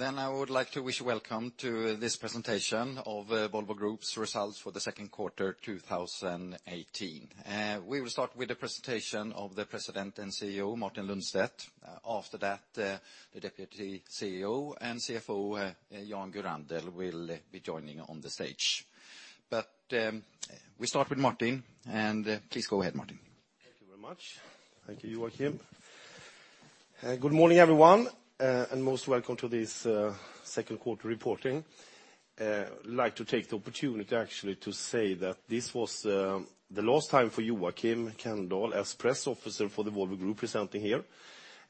I would like to wish you welcome to this presentation of Volvo Group's results for the second quarter 2018. We will start with the presentation of the President and CEO, Martin Lundstedt. After that, the Deputy CEO and CFO, Jan Gurander, will be joining on the stage. We start with Martin, and please go ahead, Martin. Thank you very much. Thank you, Joakim. Good morning, everyone, and most welcome to this second quarter reporting. I'd like to take the opportunity, actually, to say that this was the last time for Joakim Kenndal as press officer for the Volvo Group presenting here.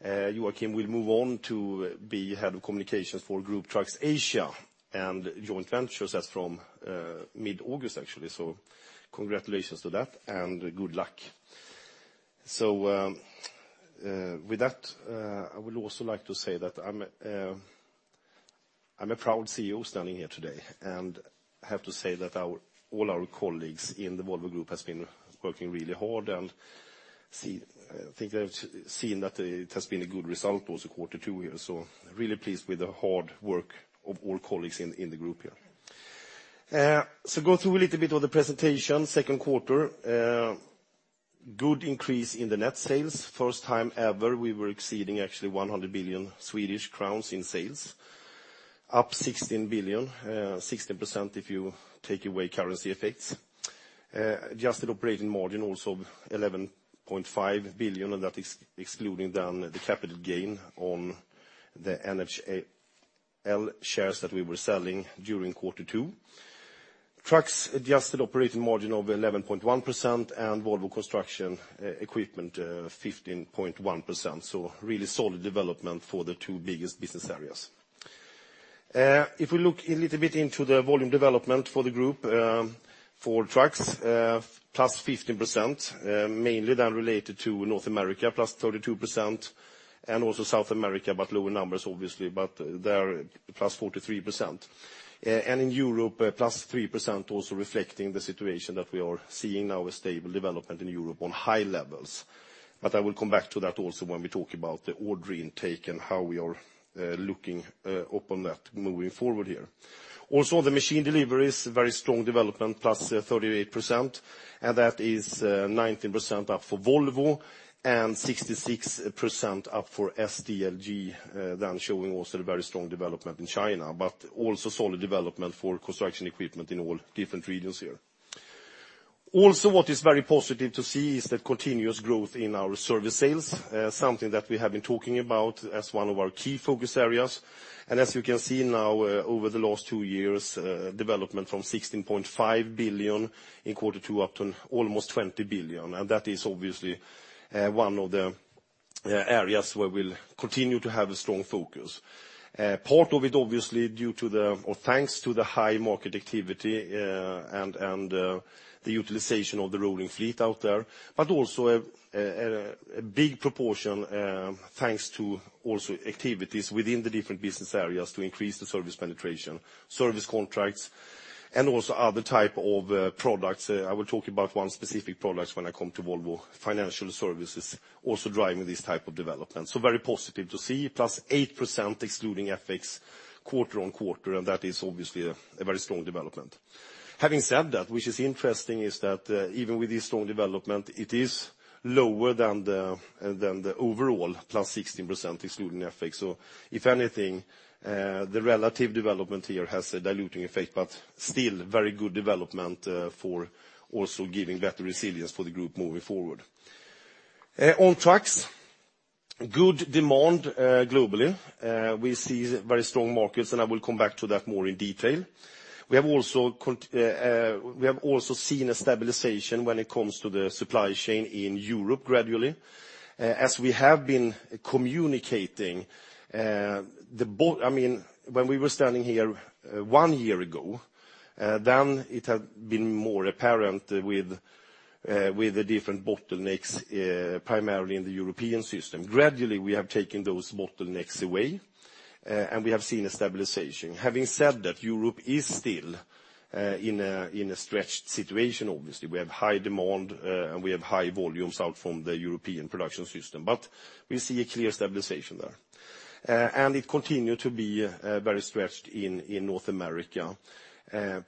Joakim will move on to be head of communications for Group Trucks Asia and joint ventures as from mid-August, actually. Congratulations to that and good luck. With that, I would also like to say that I'm a proud CEO standing here today, and have to say that all our colleagues in the Volvo Group has been working really hard and I think they've seen that it has been a good result also quarter two here. Really pleased with the hard work of all colleagues in the group here. Go through a little bit of the presentation. Second quarter, good increase in the net sales. First time ever, we were exceeding actually 100 billion Swedish crowns in sales, up 16 billion, 16% if you take away currency effects. Adjusted operating margin, also 11.5 billion, and that is excluding the capital gain on the NHL shares that we were selling during quarter two. Trucks, adjusted operating margin of 11.1% and Volvo Construction Equipment, 15.1%. Really solid development for the two biggest business areas. If we look a little bit into the volume development for the group, for Trucks, +15%, mainly then related to North America, +32%, and also South America, but lower numbers obviously, but they are +43%. In Europe, +3% also reflecting the situation that we are seeing now a stable development in Europe on high levels. I will come back to that also when we talk about the order intake and how we are looking up on that moving forward here. Also, the machine deliveries, very strong development, +38%, and that is 19% up for Volvo and 66% up for SDLG, then showing also the very strong development in China, but also solid development for construction equipment in all different regions here. Also what is very positive to see is the continuous growth in our service sales. Something that we have been talking about as one of our key focus areas. As you can see now, over the last two years, development from 16.5 billion in quarter two up to almost 20 billion. That is obviously one of the areas where we'll continue to have a strong focus. Part of it, obviously, thanks to the high market activity and the utilization of the rolling fleet out there, but also a big proportion thanks to also activities within the different business areas to increase the service penetration, service contracts, and also other type of products. I will talk about one specific product when I come to Volvo Financial Services, also driving this type of development. Very positive to see, +8% excluding FX quarter-on-quarter, and that is obviously a very strong development. Having said that, which is interesting, is that even with this strong development, it is lower than the overall +16% excluding FX. If anything, the relative development here has a diluting effect, but still very good development for also giving better resilience for the group moving forward. On trucks, good demand globally. We see very strong markets. I will come back to that more in detail. We have also seen a stabilization when it comes to the supply chain in Europe gradually. As we have been communicating, when we were standing here one year ago, then it had been more apparent with the different bottlenecks, primarily in the European system. Gradually, we have taken those bottlenecks away, and we have seen a stabilization. Having said that, Europe is still in a stretched situation, obviously. We have high demand, and we have high volumes out from the European production system. We see a clear stabilization there. It continue to be very stretched in North America.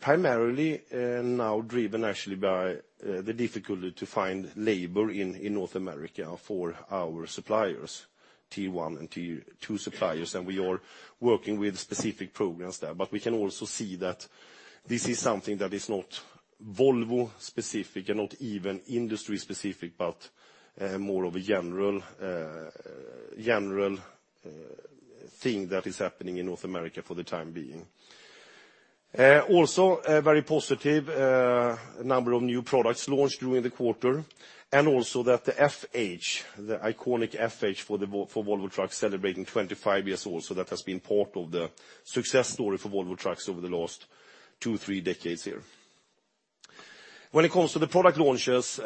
Primarily now driven actually by the difficulty to find labor in North America for our suppliers, T1 and T2 suppliers, and we are working with specific programs there. We can also see that this is something that is not Volvo specific and not even industry specific, but more of a general thing that is happening in North America for the time being. Also very positive, a number of new products launched during the quarter, and also that the FH, the iconic FH for Volvo Trucks celebrating 25 years also. That has been part of the success story for Volvo Trucks over the last two, three decades here. When it comes to the product launches,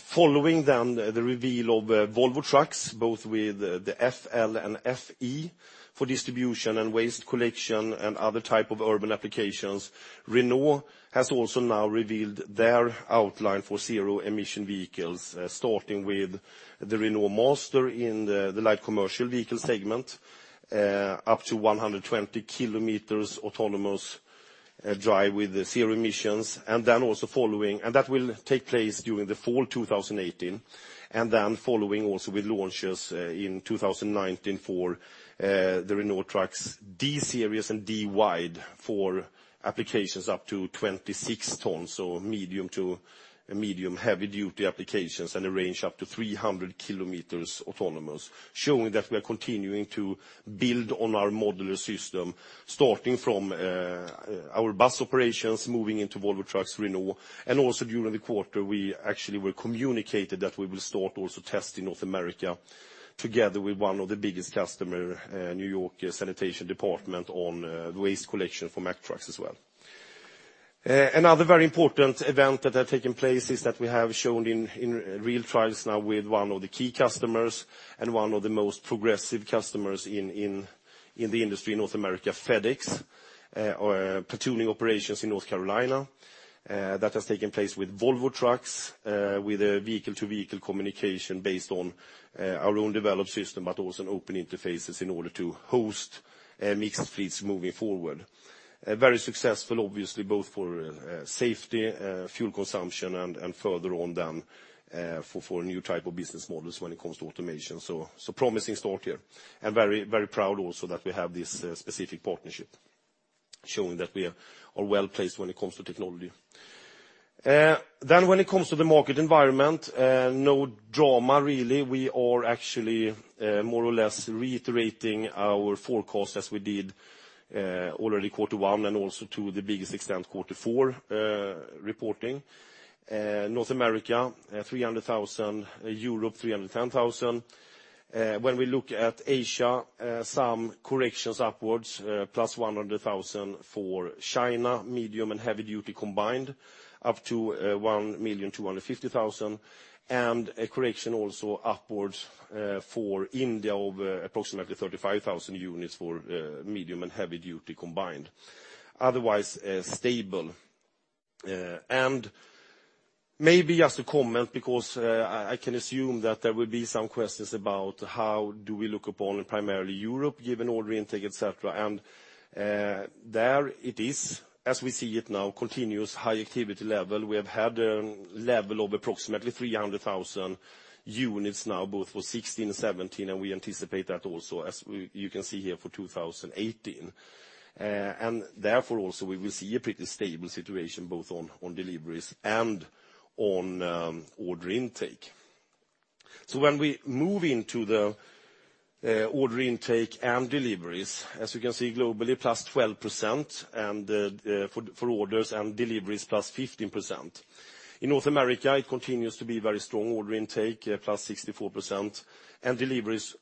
following then the reveal of Volvo Trucks, both with the FL and FE for distribution and waste collection and other type of urban applications, Renault has also now revealed their outline for zero emission vehicles, starting with the Renault Master in the light commercial vehicle segment, up to 120 kilometers autonomous drive with zero emissions. That will take place during the fall 2018. Following also with launches in 2019 for the Renault Trucks D series and D Wide for applications up to 26 tons, so medium to medium heavy duty applications and a range up to 300 kilometers autonomous, showing that we are continuing to build on our modular system, starting from our bus operations, moving into Volvo Trucks, Renault. Also during the quarter, we actually were communicated that we will start also test in North America together with one of the biggest customer, New York Sanitation Department, on waste collection for Mack Trucks as well. Another very important event that has taken place is that we have shown in real trials now with one of the key customers and one of the most progressive customers in the industry in North America, FedEx, our platooning operations in North Carolina. That has taken place with Volvo Trucks with a vehicle-to-vehicle communication based on our own developed system, but also open interfaces in order to host mixed fleets moving forward. Very successful, obviously, both for safety, fuel consumption, and further on then for new type of business models when it comes to automation. Promising start here. Very proud also that we have this specific partnership showing that we are well-placed when it comes to technology. When it comes to the market environment, no drama really. We are actually more or less reiterating our forecast as we did already quarter one and also to the biggest extent, quarter four reporting. North America, 300,000. Europe, 310,000. When we look at Asia, some corrections upwards, +100,000 for China, medium and heavy duty combined, up to 1,250,000. A correction also upwards for India of approximately 35,000 units for medium and heavy duty combined. Otherwise, stable. Maybe just to comment because I can assume that there will be some questions about how do we look upon primarily Europe given order intake, et cetera. There it is, as we see it now, continuous high activity level. We have had a level of approximately 300,000 units now both for 2016 and 2017, and we anticipate that also as you can see here for 2018. Therefore also, we will see a pretty stable situation both on deliveries and on order intake. When we move into the order intake and deliveries, as you can see globally, +12% for orders and deliveries, +15%. In North America, it continues to be very strong order intake, +64%, and deliveries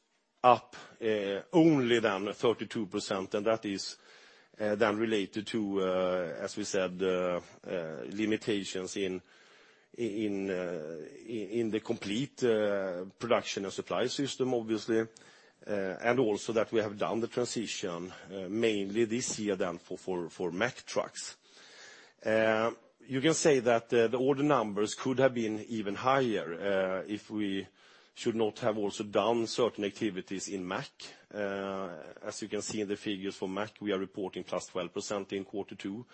up only [than the 32%], and that is then related to, as we said, limitations in the complete production and supply system, obviously, and also that we have done the transition mainly this year then for Mack Trucks. You can say that the order numbers could have been even higher if we should not have also done certain activities in Mack. As you can see in the figures for Mack, we are reporting +12% in quarter two,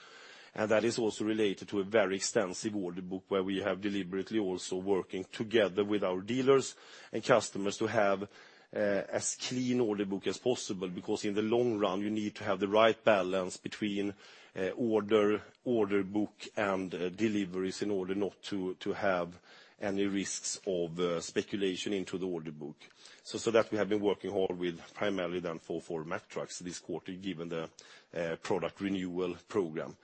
and that is also related to a very extensive order book where we have deliberately also working together with our dealers and customers to have as clean order book as possible, because in the long run, you need to have the right balance between order book, and deliveries in order not to have any risks of speculation into the order book. That we have been working hard with primarily then for Mack Trucks this quarter, given the product renewal program.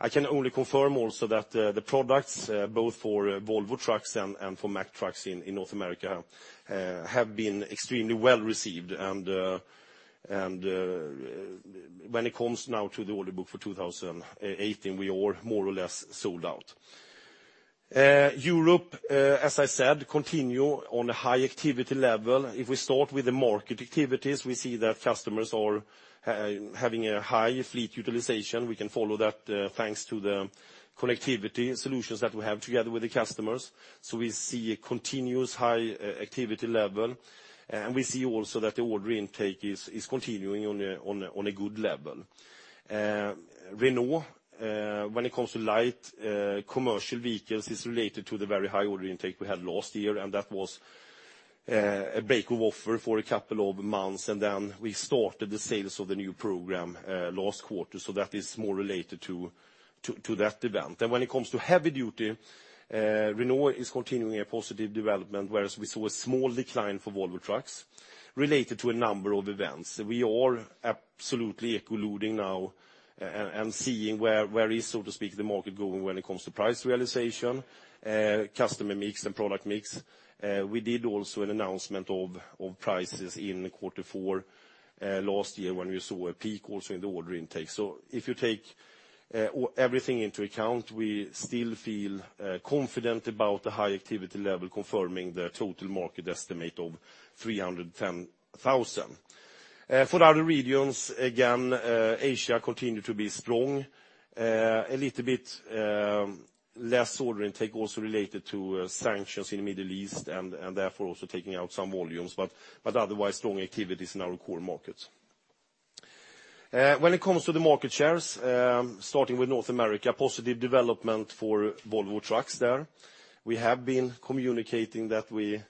I can only confirm also that the products both for Volvo Trucks and for Mack Trucks in North America have been extremely well-received. When it comes now to the order book for 2018, we are more or less sold out. Europe, as I said, continue on a high activity level. If we start with the market activities, we see that customers are having a high fleet utilization. We can follow that thanks to the connectivity solutions that we have together with the customers. We see a continuous high activity level, and we see also that the order intake is continuing on a good level. Renault, when it comes to light commercial vehicles, is related to the very high order intake we had last year, and that was a break in offer for a couple of months, and then we started the sales of the new program last quarter. That is more related to that event. When it comes to heavy duty, Renault is continuing a positive development, whereas we saw a small decline for Volvo Trucks, related to a number of events. We are absolutely echolocating now and seeing where is, so to speak, the market going when it comes to price realization, customer mix, and product mix. We did also an announcement of prices in quarter four last year when we saw a peak also in the order intake. If you take everything into account, we still feel confident about the high activity level, confirming the total market estimate of 310,000. For other regions, again, Asia continued to be strong. A little bit less order intake also related to sanctions in the Middle East, and therefore also taking out some volumes, but otherwise, strong activities in our core markets. When it comes to the market shares, starting with North America, positive development for Volvo Trucks there. We have been communicating that we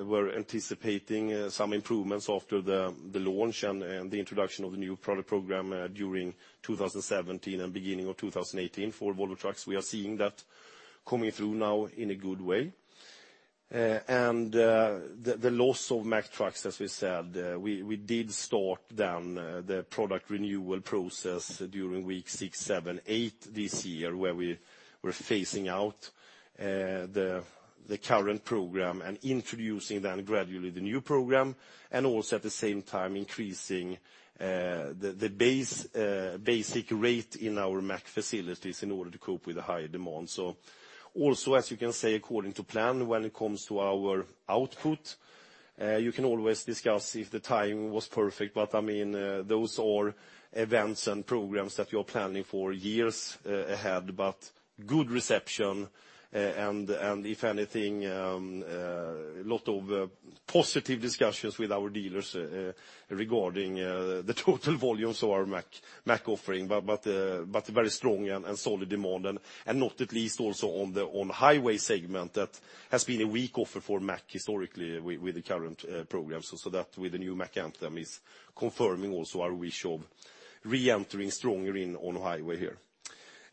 were anticipating some improvements after the launch and the introduction of the new product program during 2017 and beginning of 2018 for Volvo Trucks. We are seeing that coming through now in a good way. The loss of Mack Trucks, as we said, we did start then the product renewal process during week six, seven, eight this year, where we were phasing out the current program and introducing then gradually the new program, and also at the same time increasing the basic rate in our Mack facilities in order to cope with the high demand. Also, as you can say, according to plan when it comes to our output, you can always discuss if the timing was perfect, but those are events and programs that we are planning for years ahead, but good reception, and if anything, lot of positive discussions with our dealers regarding the total volumes of our Mack offering, but very strong and solid demand, and not at least also on highway segment that has been a weak offer for Mack historically with the current program. That with the new Mack Anthem is confirming also our wish of reentering stronger in on highway here.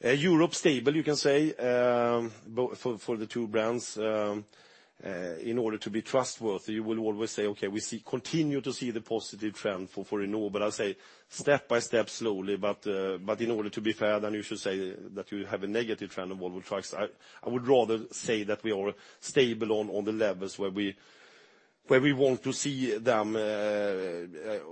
Europe stable, you can say, for the two brands. In order to be trustworthy, you will always say, okay, we continue to see the positive trend for Renault, I say step by step slowly. In order to be fair, then you should say that you have a negative trend of Volvo Trucks. I would rather say that we are stable on the levels where we want to see them.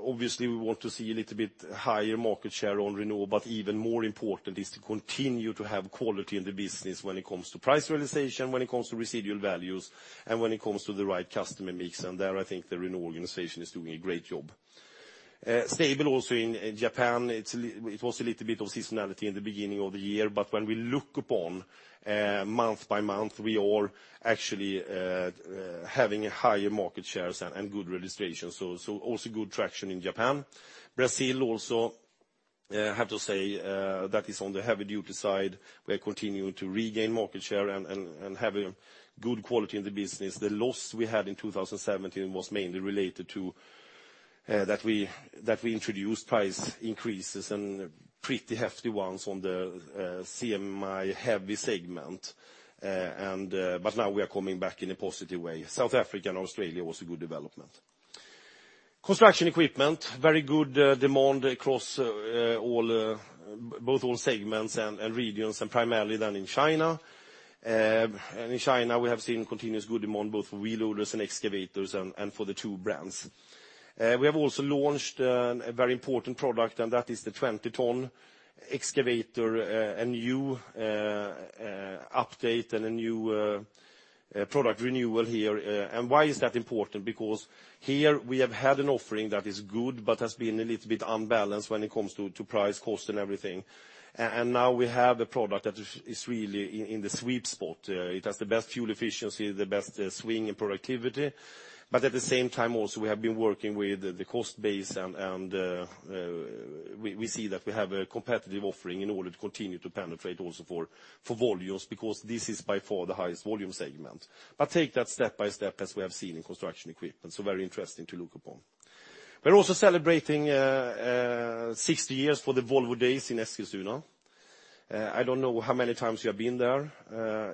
Obviously, we want to see a little bit higher market share on Renault, even more important is to continue to have quality in the business when it comes to price realization, when it comes to residual values, and when it comes to the right customer mix, and there, I think the Renault organization is doing a great job. Stable also in Japan. It was a little bit of seasonality in the beginning of the year. When we look upon month by month, we are actually having higher market shares and good registration. Also good traction in Japan. Brazil also, have to say, that is on the heavy-duty side. We are continuing to regain market share and have a good quality in the business. The loss we had in 2017 was mainly related to that we introduced price increases and pretty hefty ones on the CMI heavy segment. Now we are coming back in a positive way. South Africa and Australia, also good development. Construction Equipment, very good demand across both all segments and regions, and primarily then in China. In China, we have seen continuous good demand, both for wheel loaders and excavators and for the two brands. We have also launched a very important product, that is the 20-ton excavator, a new update and a new product renewal here. Why is that important? Because here we have had an offering that is good but has been a little bit unbalanced when it comes to price, cost, and everything. Now we have a product that is really in the sweet spot. It has the best fuel efficiency, the best swing and productivity. At the same time, also, we have been working with the cost base and we see that we have a competitive offering in order to continue to penetrate also for volumes, because this is by far the highest volume segment. Take that step by step as we have seen in Construction Equipment. Very interesting to look upon. We are also celebrating 60 years for the Volvo Days in Eskilstuna. I don't know how many times you have been there.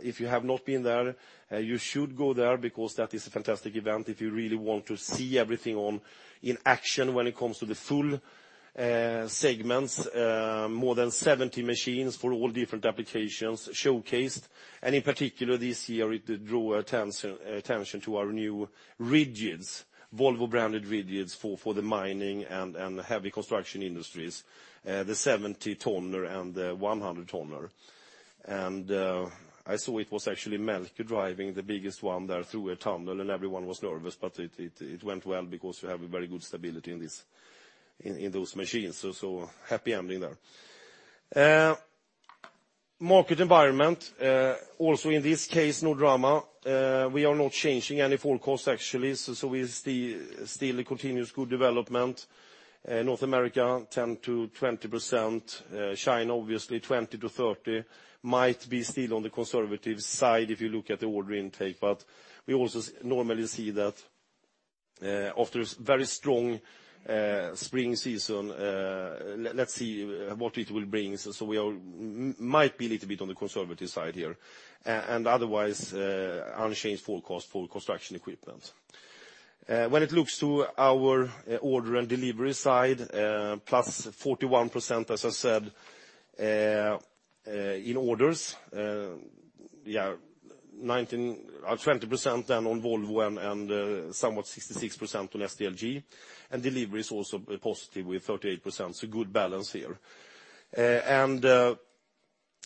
If you have not been there, you should go there because that is a fantastic event if you really want to see everything in action when it comes to the full segments. More than 70 machines for all different applications showcased. In particular this year, it drew attention to our new rigids, Volvo branded rigids for the mining and the heavy construction industries, the 70-tonner and the 100-tonner. I saw it was actually Melker driving the biggest one there through a tunnel, everyone was nervous, it went well because we have a very good stability in those machines. Happy ending there. Market environment, also in this case, no drama. We are not changing any full cost actually, we still a continuous good development. North America, 10%-20%. China, obviously 20%-30%. Might be still on the conservative side if you look at the order intake, but we also normally see that after a very strong spring season, let's see what it will bring. We might be a little bit on the conservative side here. Otherwise, unchanged full cost for construction equipment. When it looks to our order and delivery side, +41%, as I said, in orders. 20% then on Volvo and somewhat 66% on SDLG. Delivery is also positive with 38%, good balance here.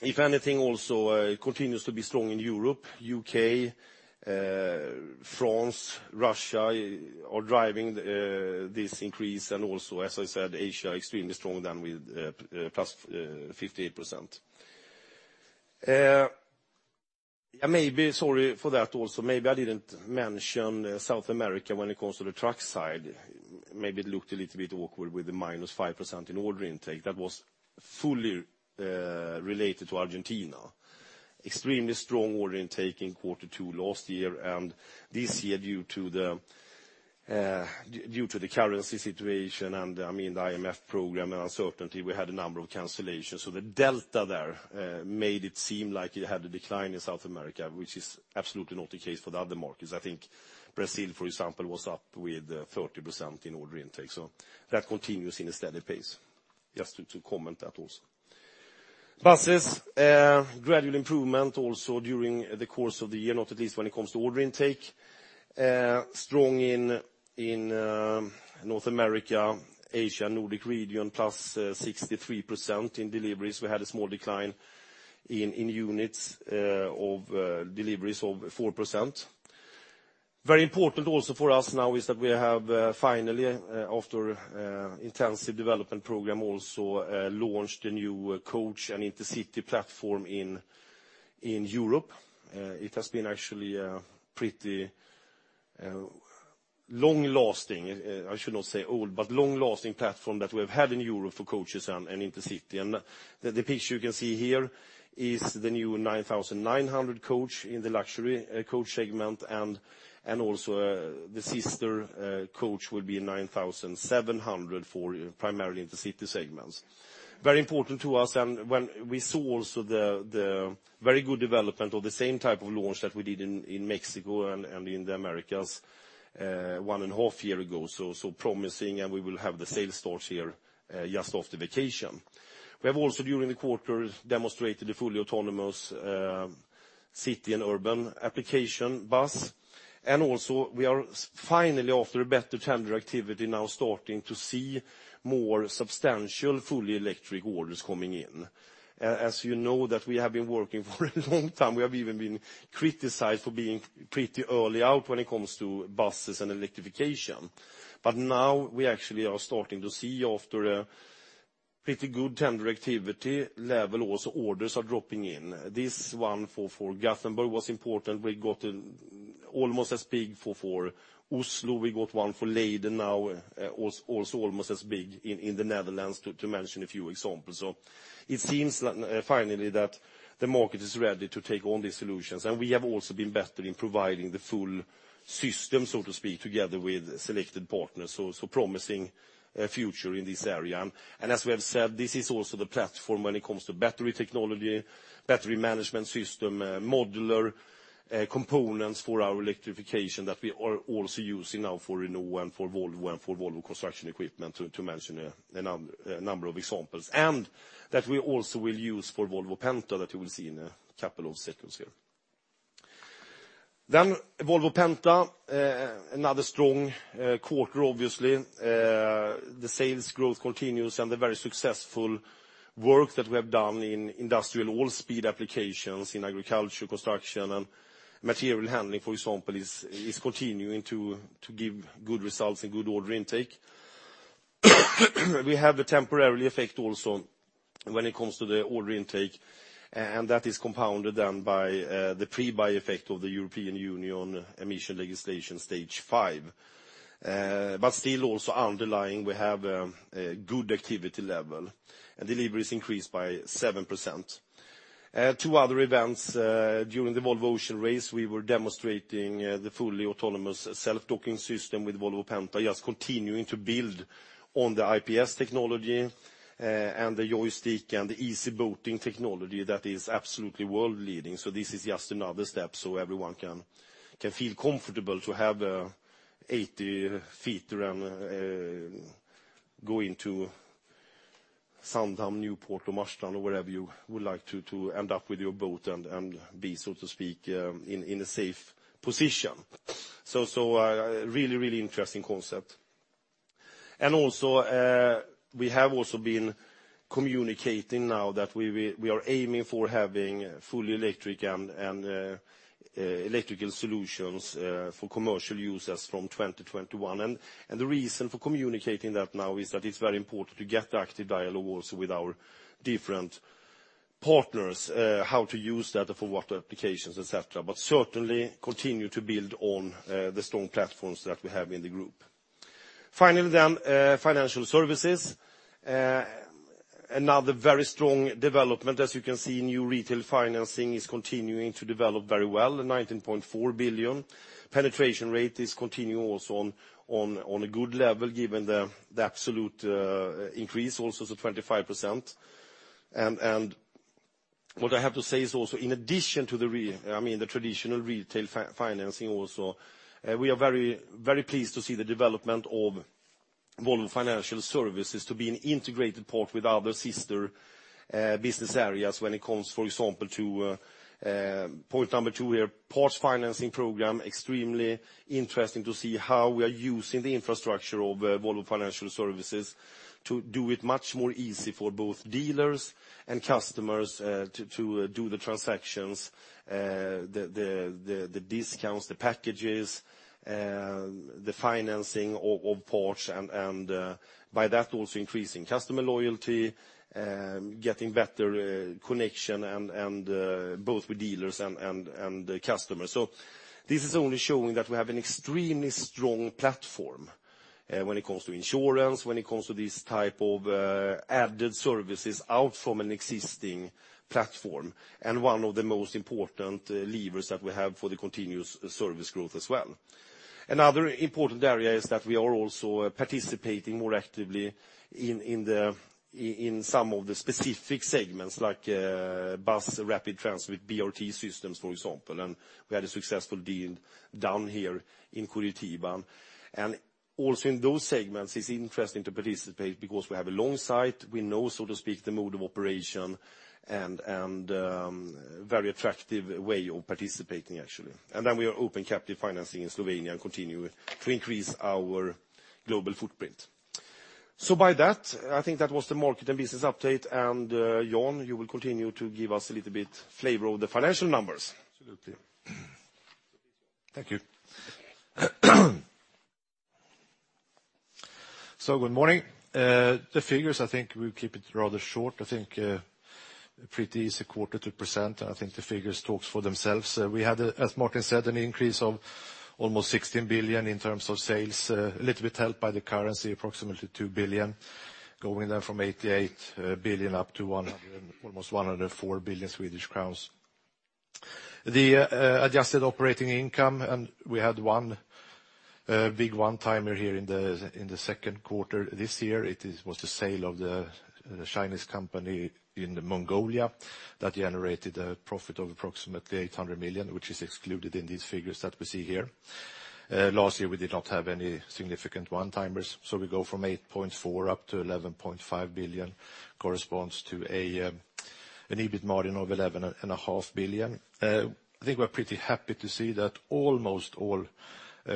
If anything, also continues to be strong in Europe, U.K., France, Russia are driving this increase. Also, as I said, Asia extremely strong than with +58%. Maybe, sorry for that also, maybe I didn't mention South America when it comes to the truck side. Maybe it looked a little bit awkward with the -5% in order intake. That was fully related to Argentina. Extremely strong order intake in Q2 last year. This year due to the currency situation and, I mean, the IMF program, and uncertainty, we had a number of cancellations. The delta there made it seem like you had a decline in South America, which is absolutely not the case for the other markets. I think Brazil, for example, was up with 30% in order intake. That continues in a steady pace. Just to comment that also. Buses, gradual improvement also during the course of the year, not least when it comes to order intake. Strong in North America, Asia, Nordic region, +63% in deliveries. We had a small decline in units of deliveries of 4%. Very important also for us now is that we have finally, after intensive development program also, launched a new coach, an intercity platform in Europe. It has been actually a pretty long-lasting, I should not say old, but long-lasting platform that we've had in Europe for coaches and intercity. The picture you can see here is the new Volvo 9900 coach in the luxury coach segment, and also the sister coach will be a Volvo 9700 for primarily intercity segments. Very important to us and when we saw also the very good development of the same type of launch that we did in Mexico and in the Americas one and a half year ago, promising, and we will have the sales start here, just after vacation. We have also, during the quarter, demonstrated a fully autonomous city and urban application bus. Also we are finally after a better tender activity now starting to see more substantial fully electric orders coming in. As you know that we have been working for a long time, we have even been criticized for being pretty early out when it comes to buses and electrification. Now we actually are starting to see after a pretty good tender activity level also, orders are dropping in. This one for Gothenburg was important. We got almost as big for Oslo. We got one for Leiden now, also almost as big in the Netherlands to mention a few examples. It seems finally that the market is ready to take on these solutions. We have also been better in providing the full system, so to speak, together with selected partners. Promising future in this area. As we have said, this is also the platform when it comes to battery technology, battery management system, modular components for our electrification that we are also using now for Renault and for Volvo and for Volvo Construction Equipment, to mention a number of examples. That we also will use for Volvo Penta, that you will see in a couple of seconds here. Volvo Penta, another strong quarter obviously. The sales growth continues and the very successful work that we have done in industrial off-road applications, in agriculture, construction, and material handling, for example, is continuing to give good results and good order intake. We have a temporary effect also when it comes to the order intake, and that is compounded by the pre-buy effect of the European Union emissions legislation Stage V. Still also underlying, we have a good activity level. Deliveries increased by 7%. Two other events. During the Volvo Ocean Race, we were demonstrating the fully autonomous self-docking system with Volvo Penta, just continuing to build on the IPS technology, and the joystick, and the easy boating technology that is absolutely world-leading. This is just another step so everyone can feel comfortable to have a 80 feet and go into Sandhamn, Newport, or Marstrand, or wherever you would like to end up with your boat and be, so to speak, in a safe position. A really interesting concept. Also we have also been communicating now that we are aiming for having fully electric and electrical solutions for commercial users from 2021. The reason for communicating that now is that it's very important to get active dialogue also with our different partners, how to use that for what applications, et cetera. Certainly continue to build on the strong platforms that we have in the group. Finally, financial services. Another very strong development. As you can see, new retail financing is continuing to develop very well, 19.4 billion. Penetration rate is continuing also on a good level given the absolute increase also to 25%. What I have to say is also in addition to the traditional retail financing also, we are very pleased to see the development of Volvo Financial Services to be an integrated part with other sister business areas when it comes, for example, to point number 2 here, parts financing program. Extremely interesting to see how we are using the infrastructure of Volvo Financial Services to do it much more easy for both dealers and customers to do the transactions, the discounts, the packages, the financing of parts, and by that, also increasing customer loyalty, getting better connection both with dealers and customers. This is only showing that we have an extremely strong platform when it comes to insurance, when it comes to these type of added services out from an existing platform, and one of the most important levers that we have for the continuous service growth as well. Another important area is that we are also participating more actively in some of the specific segments, like Bus Rapid Transit, BRT systems, for example, and we had a successful deal done here in Curitiba. Also in those segments, it's interesting to participate because we have a long sight, we know, so to speak, the mode of operation, and very attractive way of participating, actually. We are open captive financing in Slovenia and continue to increase our global footprint. I think that was the market and business update, and Jan, you will continue to give us a little bit flavor of the financial numbers. Absolutely. Thank you. Good morning. The figures, I think we'll keep it rather short. I think a pretty easy quarter to present, and I think the figures talk for themselves. We had, as Martin said, an increase of almost 16 billion in terms of sales, a little bit helped by the currency, approximately 2 billion, going from 88 billion up to almost 104 billion Swedish crowns. The adjusted operating income, we had one big one-timer here in the second quarter this year. It was the sale of the Chinese company in Mongolia that generated a profit of approximately 800 million, which is excluded in these figures that we see here. Last year, we did not have any significant one-timers, we go from 8.4 billion up to 11.5 billion, corresponds to an EBIT margin of 11.5%. I think we're pretty happy to see that almost all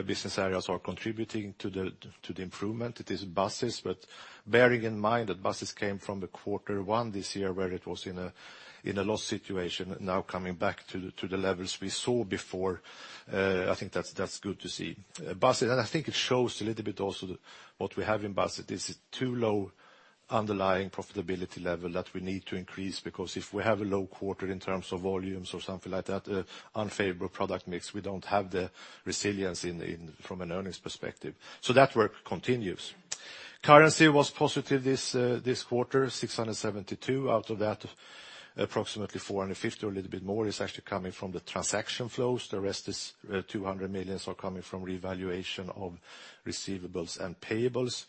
business areas are contributing to the improvement. It is buses, but bearing in mind that buses came from the Q1 this year, where it was in a loss situation, now coming back to the levels we saw before, I think that's good to see. I think it shows a little bit also what we have in buses. It's too low underlying profitability level that we need to increase, because if we have a low quarter in terms of volumes or something like that, unfavorable product mix, we don't have the resilience from an earnings perspective. That work continues. Currency was positive this quarter, 672 million. Out of that, approximately 450 million or a little bit more is actually coming from the transaction flows. The rest is 200 million coming from revaluation of receivables and payables.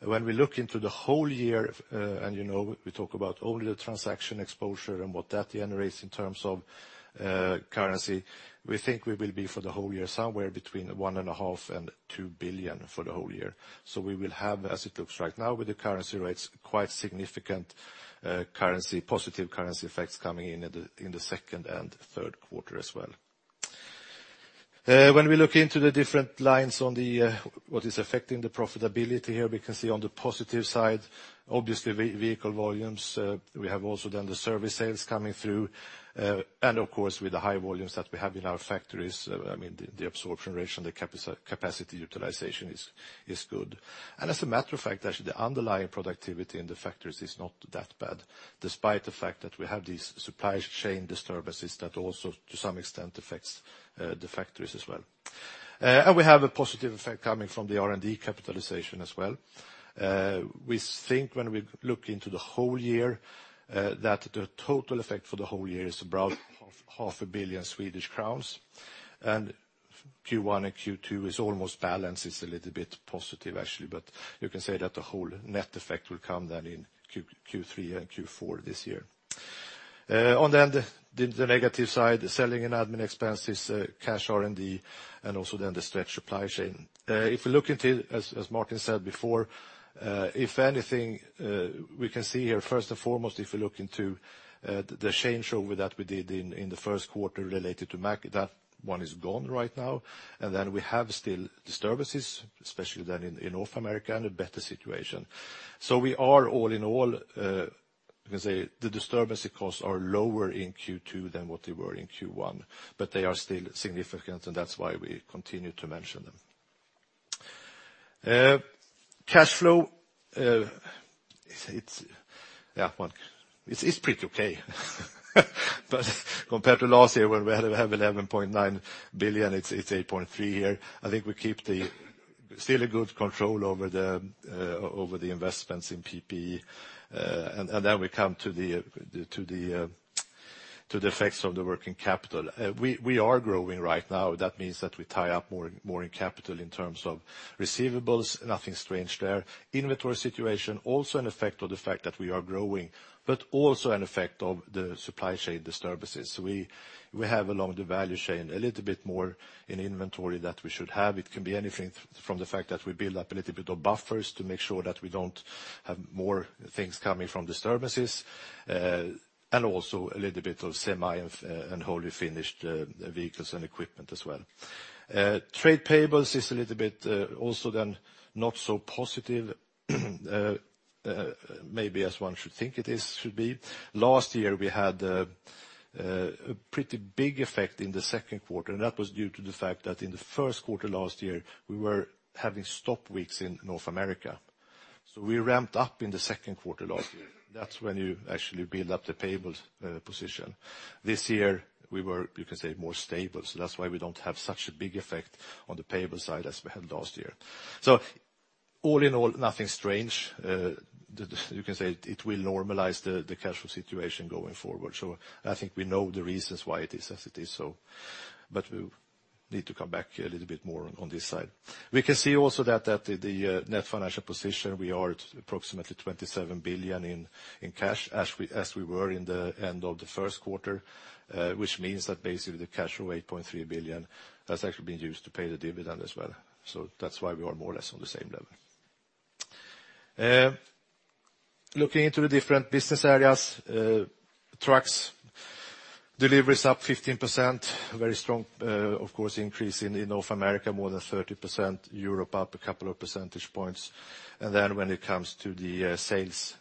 When we look into the whole year, you know we talk about only the transaction exposure and what that generates in terms of currency, we think we will be for the whole year somewhere between 1.5 billion and 2 billion for the whole year. We will have, as it looks right now with the currency rates, quite significant positive currency effects coming in the second and third quarter as well. When we look into the different lines on what is affecting the profitability here, we can see on the positive side, obviously vehicle volumes. We have also done the service sales coming through, with the high volumes that we have in our factories, the absorption rate and the capacity utilization is good. As a matter of fact, actually the underlying productivity in the factories is not that bad, despite the fact that we have these supply chain disturbances that also to some extent affects the factories as well. We have a positive effect coming from the R&D capitalization as well. We think when we look into the whole year, that the total effect for the whole year is about half a billion SEK, and Q1 and Q2 is almost balanced. It's a little bit positive, actually. You can say that the whole net effect will come then in Q3 and Q4 this year. On the negative side, selling and admin expenses, cash R&D, and also then the stretched supply chain. If you look into, as Martin said before, if anything, we can see here first and foremost, if you look into the changeover that we did in the first quarter related to Mack, that one is gone right now. We have still disturbances, especially then in North America, and a better situation. We are all in all, you can say the disturbance costs are lower in Q2 than what they were in Q1, but they are still significant, and that's why we continue to mention them. Cash flow, it's pretty okay. Compared to last year where we had 11.9 billion, it's 8.3 billion here. I think we keep still a good control over the investments in PPE. We come to the effects of the working capital. We are growing right now. That means that we tie up more in capital in terms of receivables. Nothing strange there. Inventory situation, also an effect of the fact that we are growing, but also an effect of the supply chain disturbances. We have, along the value chain, a little bit more in inventory than we should have. It can be anything from the fact that we build up a little bit of buffers to make sure that we don't have more things coming from disturbances, and also a little bit of semi- and wholly finished vehicles and equipment as well. Trade payables is a little bit also then not so positive, maybe as one should think it should be. Last year, we had a pretty big effect in the second quarter, that was due to the fact that in the first quarter last year, we were having stop weeks in North America. We ramped up in the second quarter last year. That's when you actually build up the payables position. This year we were, you can say, more stable, that's why we don't have such a big effect on the payable side as we had last year. All in all, nothing strange. You can say it will normalize the cash flow situation going forward. I think we know the reasons why it is as it is. We need to come back here a little bit more on this side. We can see also that the net financial position, we are at approximately 27 billion in cash, as we were in the end of the first quarter, which means that basically the cash flow, 8.3 billion, has actually been used to pay the dividend as well. That's why we are more or less on the same level. Looking into the different business areas, trucks, deliveries up 15%. Very strong, of course, increase in North America, more than 30%, Europe up a couple of percentage points. When it comes to the sales,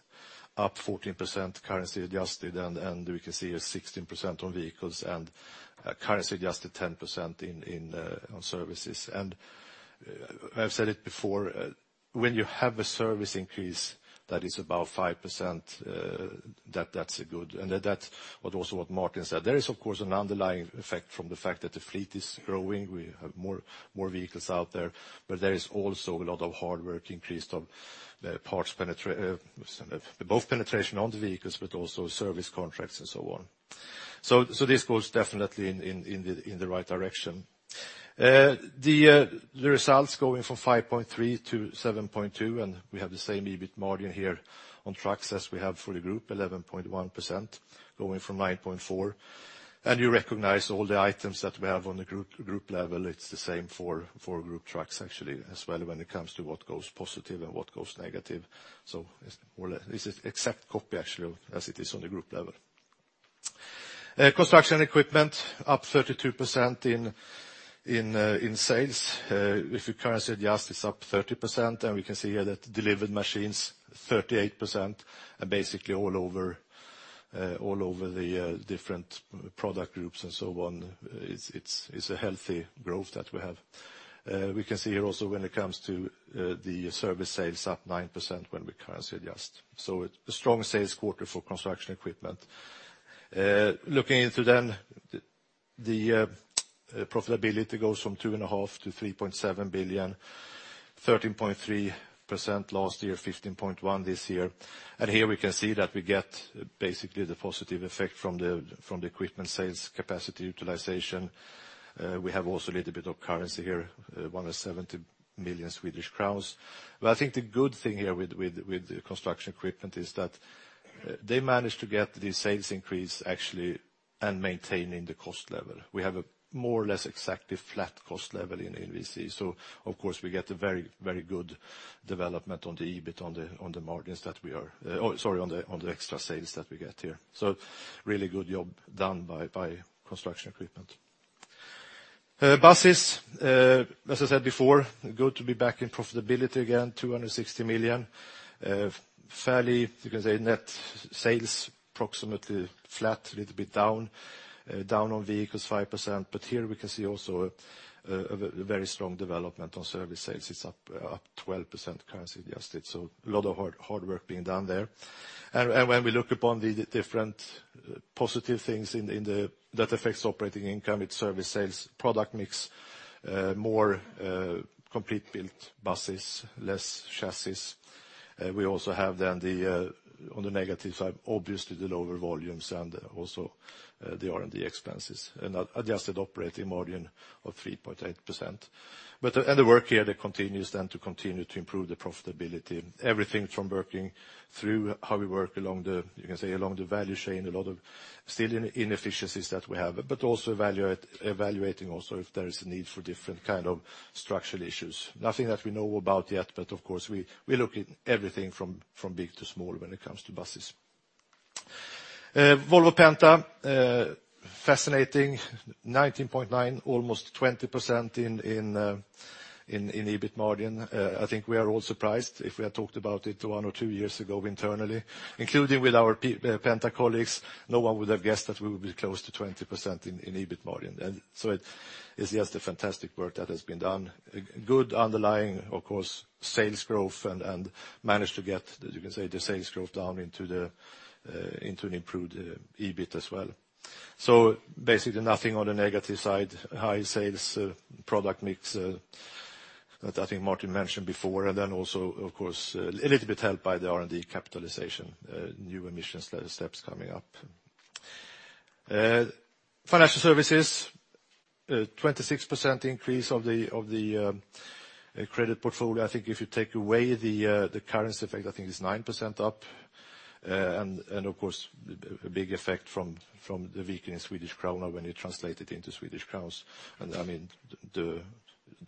up 14% currency adjusted, we can see a 16% on vehicles and currency adjusted 10% on services. I've said it before, when you have a service increase that is above 5%, that's good. That's also what Martin said. There is, of course, an underlying effect from the fact that the fleet is growing. We have more vehicles out there, but there is also a lot of hard work increased on both penetration on the vehicles, but also service contracts and so on. This goes definitely in the right direction. The results going from 5.3 billion to 7.2 billion, we have the same EBIT margin here on trucks as we have for the group, 11.1%, going from 9.4%. You recognize all the items that we have on the group level. It's the same for Group Trucks, actually, as well, when it comes to what goes positive and what goes negative. It's an exact copy, actually, as it is on the group level. Construction Equipment up 32% in sales. If you currency adjust, it's up 30%, we can see here that delivered machines, 38%, and basically all over the different product groups and so on. It's a healthy growth that we have. We can see here also when it comes to the service sales up 9% when we currency adjust. A strong sales quarter for Construction Equipment. Looking into the profitability goes from two and a half billion to 3.7 billion, 13.3% last year, 15.1% this year. Here we can see that we get basically the positive effect from the equipment sales capacity utilization. We have also a little bit of currency here, 170 million Swedish crowns. I think the good thing here with the Construction Equipment is that they managed to get the sales increase, actually, and maintaining the cost level. We have a more or less exactly flat cost level in VCE. Of course, we get a very good development on the EBIT on the margins that we are-- oh, sorry, on the extra sales that we get here. Really good job done by Construction Equipment. Buses, as I said before, good to be back in profitability again, 260 million. Fairly, you can say net sales, approximately flat, a little bit down. Down on vehicles 5%. Here we can see also a very strong development on service sales. It's up 12% currency adjusted. A lot of hard work being done there. When we look upon the different positive things that affects operating income, it's service sales, product mix, more complete built buses, less chassis. We also have then on the negative side, obviously, the lower volumes and also the R&D expenses. Adjusted operating margin of 3.8%. The work here continues then to continue to improve the profitability. Everything from working through how we work along the, you can say, along the value chain, a lot of still inefficiencies that we have, but also evaluating also if there is a need for different kind of structural issues. Nothing that we know about yet, but of course, we look at everything from big to small when it comes to buses. Volvo Penta, fascinating, 19.9%, almost 20% in EBIT margin. I think we are all surprised if we had talked about it one or two years ago internally. Including with our Penta colleagues, no one would have guessed that we would be close to 20% in EBIT margin. It is just a fantastic work that has been done. Good underlying, of course, sales growth and managed to get, you can say, the sales growth down into an improved EBIT as well. Basically nothing on the negative side. High sales product mix That I think Martin mentioned before. Then also, of course, a little bit helped by the R&D capitalization, new emissions steps coming up. Financial Services, 26% increase of the credit portfolio. I think if you take away the currency effect, I think it's 9% up. Of course, a big effect from the weakening SEK when you translate it into SEK.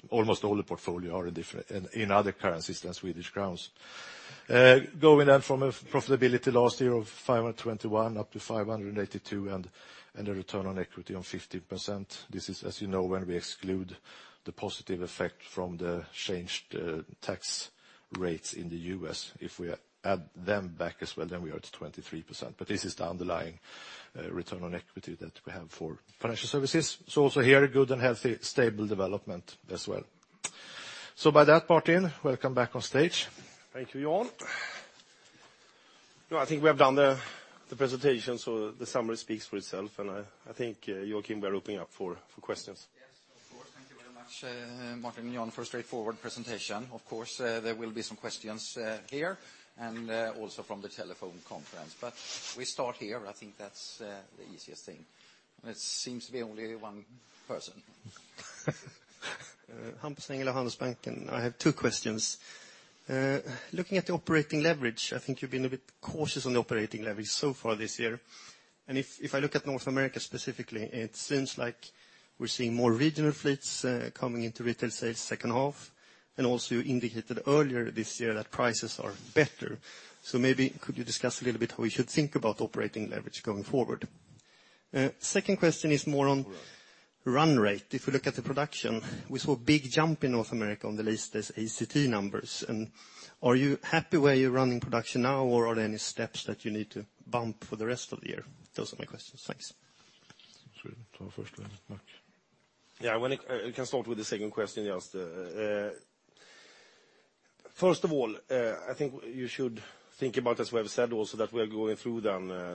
Almost all the portfolio are in other currencies than SEK. Going then from a profitability last year of 521 up to 582 and a return on equity on 15%. This is, as you know, when we exclude the positive effect from the changed tax rates in the U.S. If we add them back as well, then we are at 23%. This is the underlying return on equity that we have for Financial Services. Also here, good and healthy, stable development as well. With that, Martin, welcome back on stage. Thank you, Jan. I think we have done the presentation, so the summary speaks for itself. I think, Joakim, we are opening up for questions. Of course. Thank you very much, Martin and Jan, for a straightforward presentation. Of course, there will be some questions here and also from the telephone conference. We start here. I think that's the easiest thing. It seems to be only one person. Hampus Engellau, Handelsbanken. I have two questions. Looking at the operating leverage, I think you've been a bit cautious on the operating leverage so far this year. If I look at North America specifically, it seems like we're seeing more regional fleets coming into retail sales second half, and also you indicated earlier this year that prices are better. Maybe could you discuss a little bit how we should think about operating leverage going forward? Second question is more on run rate. If we look at the production, we saw a big jump in North America on the latest ACT numbers. Are you happy where you're running production now, or are there any steps that you need to bump for the rest of the year? Those are my questions. Thanks. Should we take the first one? Martin. We can start with the second question, Hampus. First of all, I think you should think about, as we have said also, that we are going through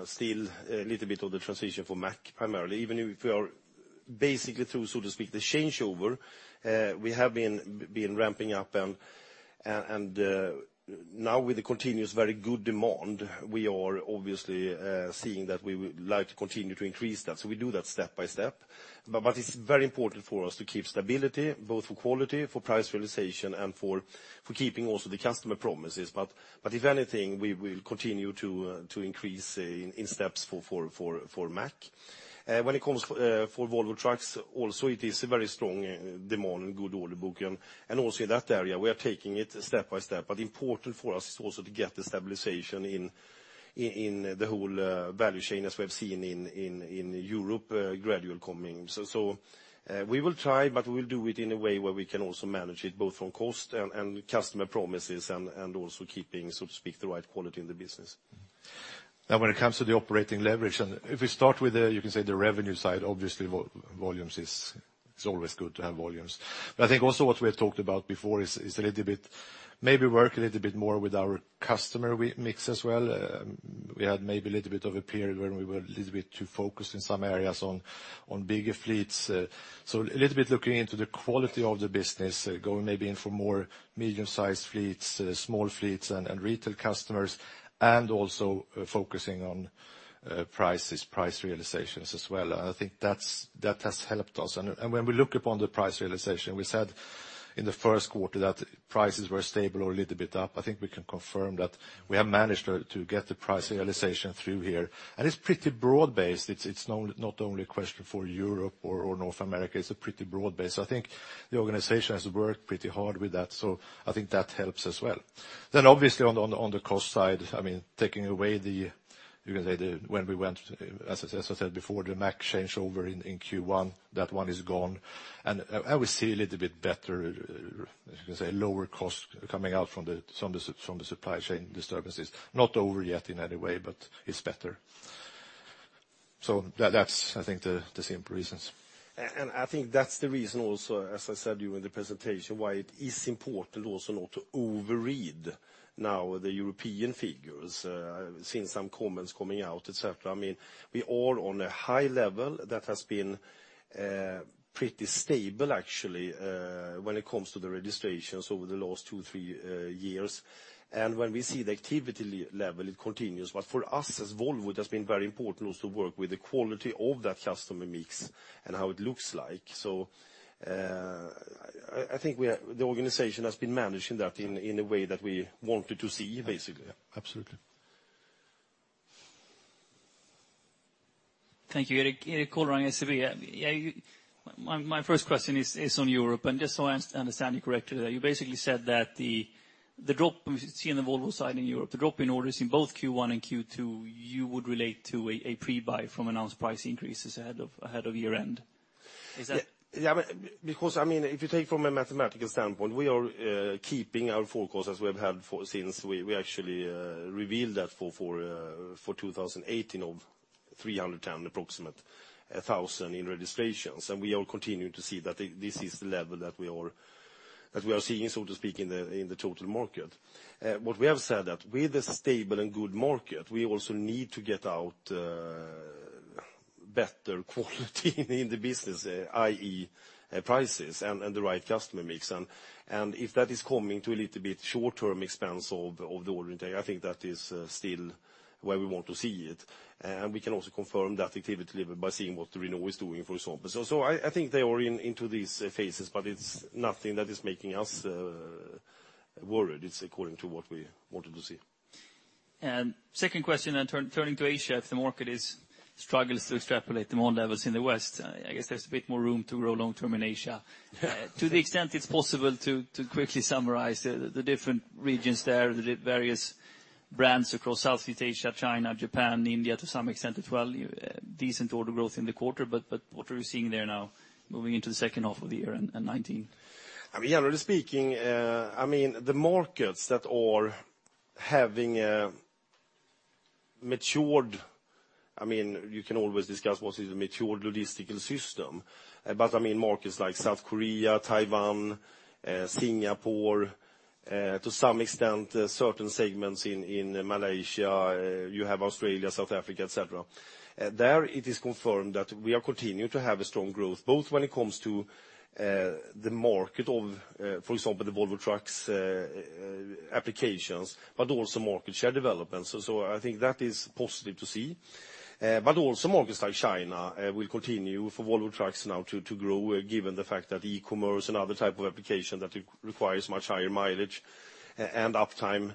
still a little bit of the transition for Mack primarily. Even if we are basically through, so to speak, the changeover, we have been ramping up, and now with the continuous very good demand, we are obviously seeing that we would like to continue to increase that. We do that step by step. It's very important for us to keep stability, both for quality, for price realization, and for keeping also the customer promises. If anything, we will continue to increase in steps for Mack. When it comes for Volvo Trucks, also it is a very strong demand and good order book, and also in that area, we are taking it step by step. Important for us is also to get the stabilization in the whole value chain, as we have seen in Europe, gradual coming. We will try, but we will do it in a way where we can also manage it both from cost and customer promises and also keeping, so to speak, the right quality in the business. When it comes to the operating leverage, if we start with the revenue side, obviously volume. It is always good to have volumes. I think also what we have talked about before is maybe work a little bit more with our customer mix as well. We had maybe a little bit of a period where we were a little bit too focused in some areas on bigger fleets. A little bit looking into the quality of the business, going maybe in for more medium-sized fleets, small fleets, and retail customers, and also focusing on prices, price realizations as well. I think that has helped us. When we look upon the price realization, we said in the first quarter that prices were stable or a little bit up. I think we can confirm that we have managed to get the price realization through here. It is pretty broad-based. It is not only a question for Europe or North America, it is pretty broad-based. I think the organization has worked pretty hard with that, so I think that helps as well. Obviously on the cost side, taking away the, when we went, as I said before, the Mack changeover in Q1, that one is gone. I would say a little bit better, lower cost coming out from the supply chain disturbances. Not over yet in any way, but it is better. That is I think the simple reasons. I think that is the reason also, as I said during the presentation, why it is important also not to overread now the European figures. I have seen some comments coming out, et cetera. We are on a high level that has been pretty stable, actually, when it comes to the registrations over the last two, three years. When we see the activity level, it continues. For us as Volvo, it has been very important also to work with the quality of that customer mix and how it looks like. I think the organization has been managing that in a way that we wanted to see, basically. Absolutely. Thank you. Erik Golrang, SEB. My first question is on Europe, just so I understand you correctly, you basically said that the drop we see on the Volvo side in Europe, the drop in orders in both Q1 and Q2, you would relate to a pre-buy from announced price increases ahead of year-end. Is that. If you take from a mathematical standpoint, we are keeping our forecast as we have had since we actually revealed that for 2018 of 310,000, approximately, in registrations. We are continuing to see that this is the level that we are seeing, so to speak, in the total market. What we have said that with a stable and good market, we also need to get better quality in the business, i.e., prices and the right customer mix. If that is coming to a little bit short-term expense of the order intake, I think that is still where we want to see it. We can also confirm that activity level by seeing what Renault is doing, for example. I think they are into these phases, but it is nothing that is making us worried. It is according to what we wanted to see. Second question then turning to Asia, if the market struggles to extrapolate the model that was in the West, I guess there is a bit more room to grow long term in Asia. To the extent it is possible to quickly summarize the different regions there, the various brands across Southeast Asia, China, Japan, India, to some extent as well, decent order growth in the quarter, but what are we seeing there now moving into the second half of the year in 2019? Generally speaking, the markets that are having a matured, you can always discuss what is a matured logistical system, but markets like South Korea, Taiwan, Singapore, to some extent, certain segments in Malaysia, you have Australia, South Africa, et cetera. There it is confirmed that we are continuing to have a strong growth, both when it comes to the market of, for example, the Volvo Trucks applications, but also market share development. I think that is positive to see. Also markets like China will continue for Volvo Trucks now to grow, given the fact that e-commerce and other type of application that requires much higher mileage and uptime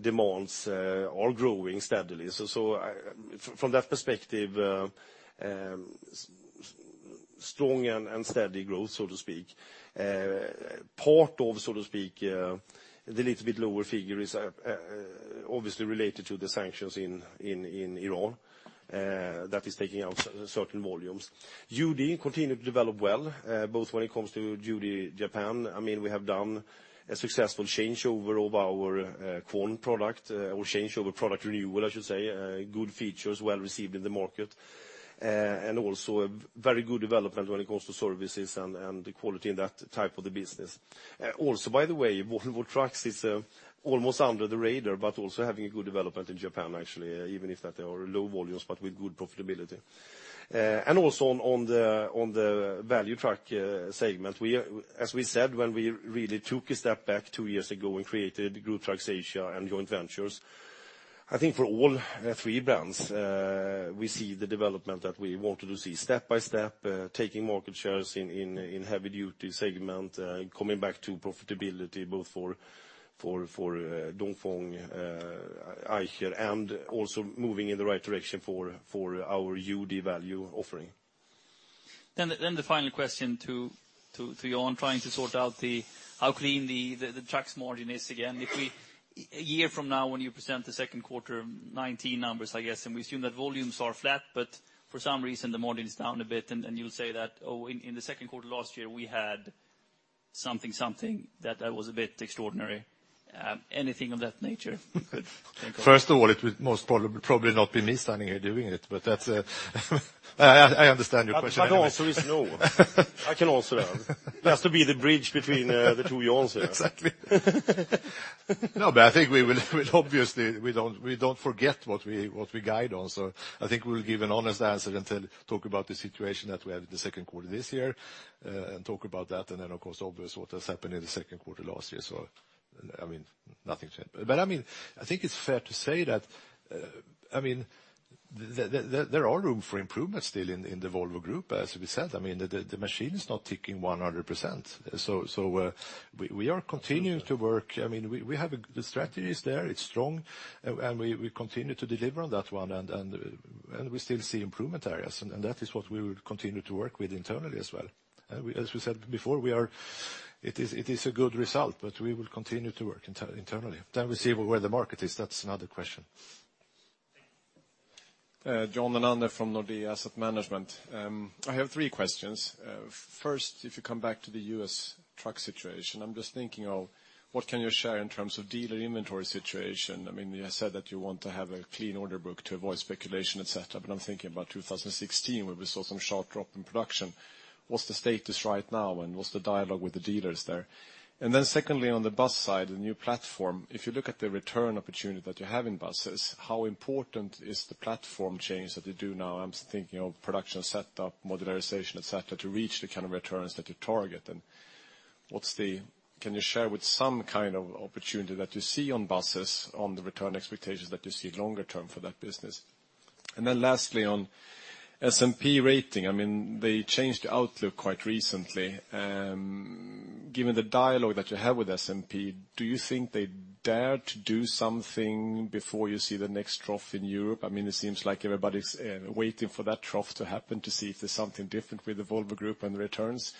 demands are growing steadily. From that perspective, strong and steady growth, so to speak. Part of the little bit lower figure is obviously related to the sanctions in Iran that is taking out certain volumes. UD continued to develop well, both when it comes to UD Japan. We have done a successful changeover of our Quon product or changeover product renewal, I should say. Good features, well received in the market. Also a very good development when it comes to services and the quality in that type of the business. Also, by the way, Volvo Trucks is almost under the radar, but also having a good development in Japan, actually, even if they are low volumes, but with good profitability. Also on the value truck segment, as we said, when we really took a step back two years ago and created Group Trucks Asia and joint ventures, I think for all three brands, we see the development that we wanted to see step by step, taking market shares in heavy-duty segment, coming back to profitability both for Dongfeng, Eicher, and also moving in the right direction for our UD value offering. The final question to you on trying to sort out how clean the trucks margin is again. If we, a year from now, when you present the second quarter 2019 numbers, I guess, and we assume that volumes are flat, but for some reason, the margin is down a bit, and you'll say that, "Oh, in the second quarter last year, we had something that was a bit extraordinary." Anything of that nature? First of all, it would most probably not be me standing here doing it, but that's it. I understand your question. My answer is no. I can answer that. It has to be the bridge between the two answers. Exactly. I think we'll obviously, we don't forget what we guide on. I think we'll give an honest answer and talk about the situation that we had in the second quarter this year, and talk about that, and then, of course, obvious what has happened in the second quarter last year. Nothing to add. I think it's fair to say that there are room for improvement still in the Volvo Group, as we said. The machine is not ticking 100%. We are continuing to work. The strategy is there, it's strong, and we continue to deliver on that one, we still see improvement areas, and that is what we will continue to work with internally as well. As we said before, it is a good result, but we will continue to work internally. We see where the market is, that's another question. John Anande from Nordea Asset Management. I have three questions. First, if you come back to the U.S. truck situation, I'm just thinking of what can you share in terms of dealer inventory situation? You said that you want to have a clean order book to avoid speculation, et cetera, but I'm thinking about 2016, where we saw some sharp drop in production. What's the status right now, and what's the dialogue with the dealers there? Secondly, on the bus side, the new platform, if you look at the return opportunity that you have in buses, how important is the platform change that you do now? I'm thinking of production setup, modularization, et cetera, to reach the kind of returns that you target. Can you share with some kind of opportunity that you see on buses on the return expectations that you see longer term for that business? Lastly, on S&P rating, they changed the outlook quite recently. Given the dialogue that you have with S&P, do you think they dare to do something before you see the next trough in Europe? It seems like everybody's waiting for that trough to happen to see if there's something different with the Volvo Group and the returns.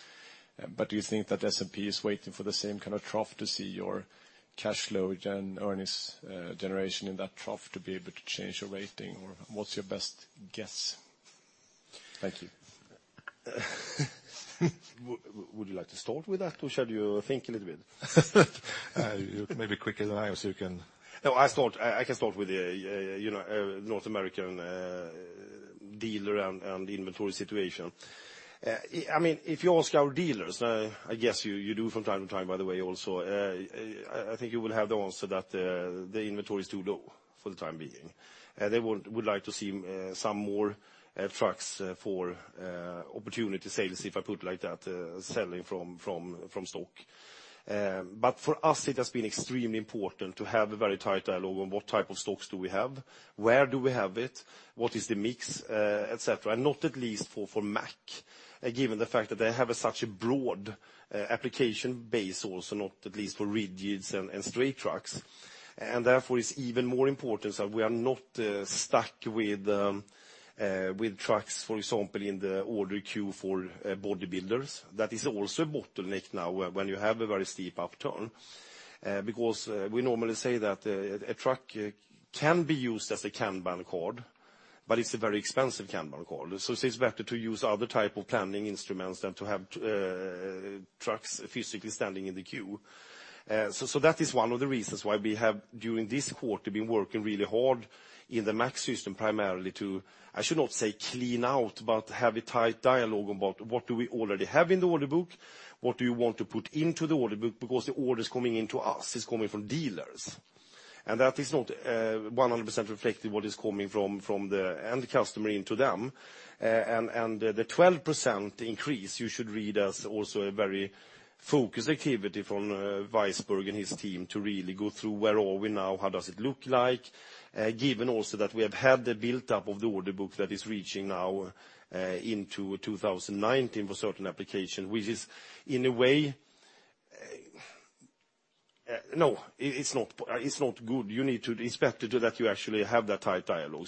Do you think that S&P is waiting for the same kind of trough to see your cash flow and earnings generation in that trough to be able to change your rating? Or what's your best guess? Thank you. Would you like to start with that, or should you think a little bit? You're maybe quicker than I am, so you can. I can start with the North American dealer and the inventory situation. If you ask our dealers, I guess you do from time to time, by the way, also, I think you will have the answer that the inventory is too low for the time being. They would like to see some more trucks for opportunity sales, if I put it like that, selling from stock. For us, it has been extremely important to have a very tight dialogue on what type of stocks do we have, where do we have it, what is the mix, et cetera. Not at least for Mack, given the fact that they have such a broad application base also, not at least for rigids and straight trucks. Therefore, it's even more important that we are not stuck with trucks, for example, in the order queue for body builders. That is also a bottleneck now when you have a very steep upturn, because we normally say that a truck can be used as a Kanban card, but it's a very expensive Kanban card. It's better to use other type of planning instruments than to have trucks physically standing in the queue. That is one of the reasons why we have, during this quarter, been working really hard in the Mack system, primarily to, I should not say clean out, but have a tight dialogue about what do we already have in the order book, what do you want to put into the order book, because the orders coming into us is coming from dealers. That is not 100% reflective what is coming from the end customer into them. The 12% increase you should read as also a very focused activity from Martin Weissburg and his team to really go through where are we now, how does it look like, given also that we have had the buildup of the order book that is reaching now into 2019 for certain application, which is, in a way. No, it's not good. You need to expect that you actually have that tight dialogue.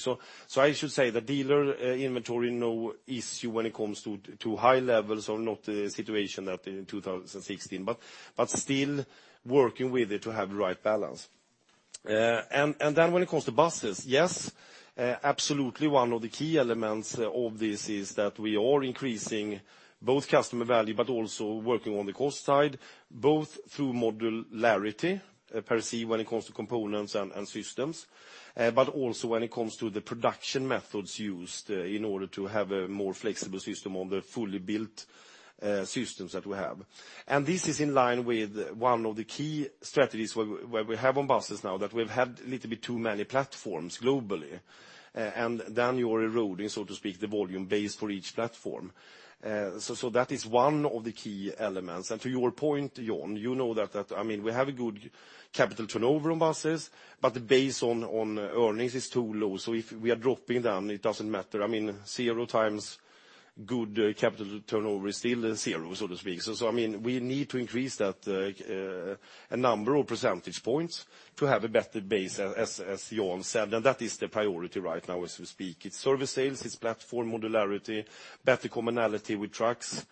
I should say the dealer inventory, no issue when it comes to high levels or not a situation that in 2016, but still working with it to have the right balance. When it comes to buses, yes, absolutely one of the key elements of this is that we are increasing both customer value, but also working on the cost side, both through modularity, per se, when it comes to components and systems, but also when it comes to the production methods used in order to have a more flexible system on the fully built systems that we have. This is in line with one of the key strategies where we have on buses now that we've had little bit too many platforms globally, then you're eroding, so to speak, the volume base for each platform. That is one of the key elements. To your point, [Jan], you know that we have a good capital turnover on buses, but the base on earnings is too low. If we are dropping down, it doesn't matter. Zero times good capital turnover is still zero, so to speak. We need to increase that a number of percentage points to have a better base, as Jan said, that is the priority right now as we speak. It's service sales, it's platform modularity, better commonality with trucks,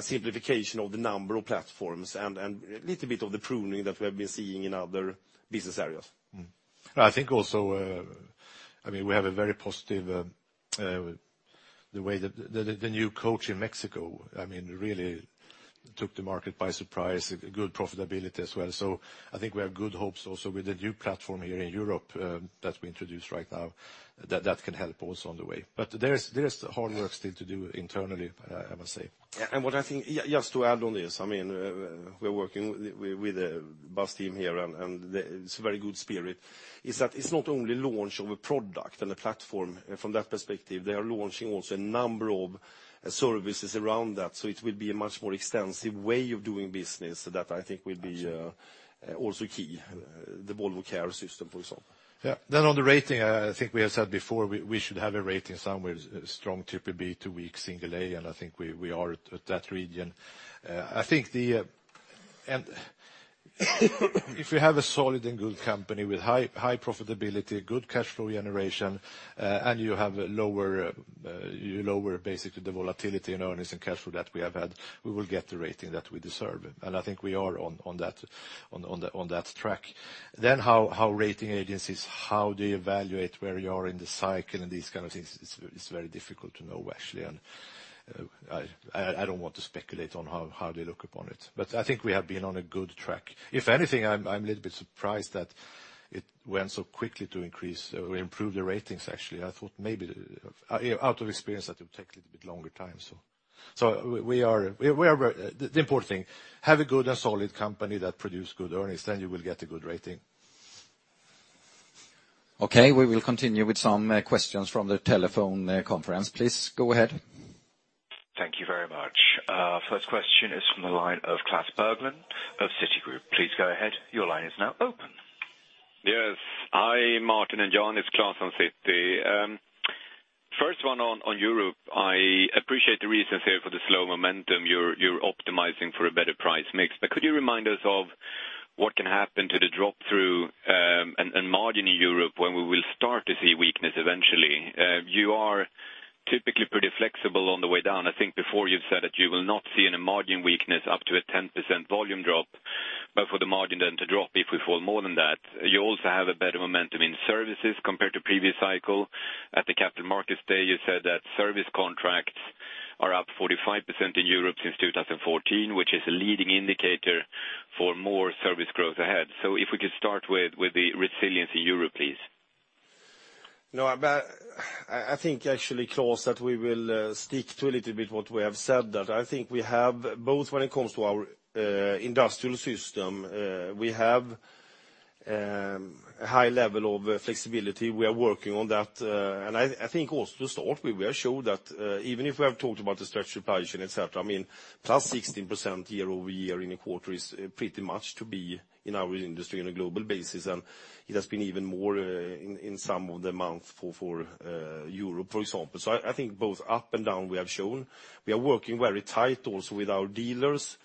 simplification of the number of platforms, and little bit of the pruning that we have been seeing in other business areas. I think also we have a very positive, the way that the new coach in Mexico really took the market by surprise, good profitability as well. I think we have good hopes also with the new platform here in Europe that we introduced right now, that that can help also on the way. There is hard work still to do internally, I must say. What I think, just to add on this, we are working with the bus team here, and it is very good spirit, is that it is not only launch of a product and a platform from that perspective. They are launching also a number of services around that. It will be a much more extensive way of doing business that I think will be also key, the Volvo Care system, for example. On the rating, I think we have said before, we should have a rating somewhere strong BBB to weak single A, and I think we are at that region. I think if you have a solid and good company with high profitability, good cash flow generation, and you lower basically the volatility in earnings and cash flow that we have had, we will get the rating that we deserve. I think we are on that track. How rating agencies, how they evaluate where you are in the cycle and these kind of things, it is very difficult to know, actually. I do not want to speculate on how they look upon it. I think we have been on a good track. If anything, I am a little bit surprised that it went so quickly to increase or improve the ratings, actually. I thought maybe, out of experience, that it would take a little bit longer time. The important thing, have a good and solid company that produce good earnings, then you will get a good rating. Okay, we will continue with some questions from the telephone conference. Please go ahead. Thank you very much. First question is from the line of Klas Bergelind of Citigroup. Please go ahead. Your line is now open. Yes. Hi, Martin and Jan. It's Klas from Citi. First one on Europe. I appreciate the reasons here for the slow momentum. You're optimizing for a better price mix. Could you remind us of what can happen to the drop-through, and margin in Europe when we will start to see weakness eventually? You are typically pretty flexible on the way down. I think before you said that you will not see any margin weakness up to a 10% volume drop, but for the margin then to drop if we fall more than that. You also have a better momentum in services compared to previous cycle. At the Capital Markets Day, you said that service contracts are up 45% in Europe since 2014, which is a leading indicator for more service growth ahead. If we could start with the resilience in Europe, please. I think actually, Klas, that we will stick to a little bit what we have said, that I think we have, both when it comes to our industrial system, we have a high level of flexibility. We are working on that. I think also to start with, we are sure that even if we have talked about the stretched supply chain, et cetera, +16% year-over-year in a quarter is pretty much to be in our industry on a global basis, and it has been even more in some of the months for Europe, for example. I think both up and down we have shown. We are working very tight also with our dealers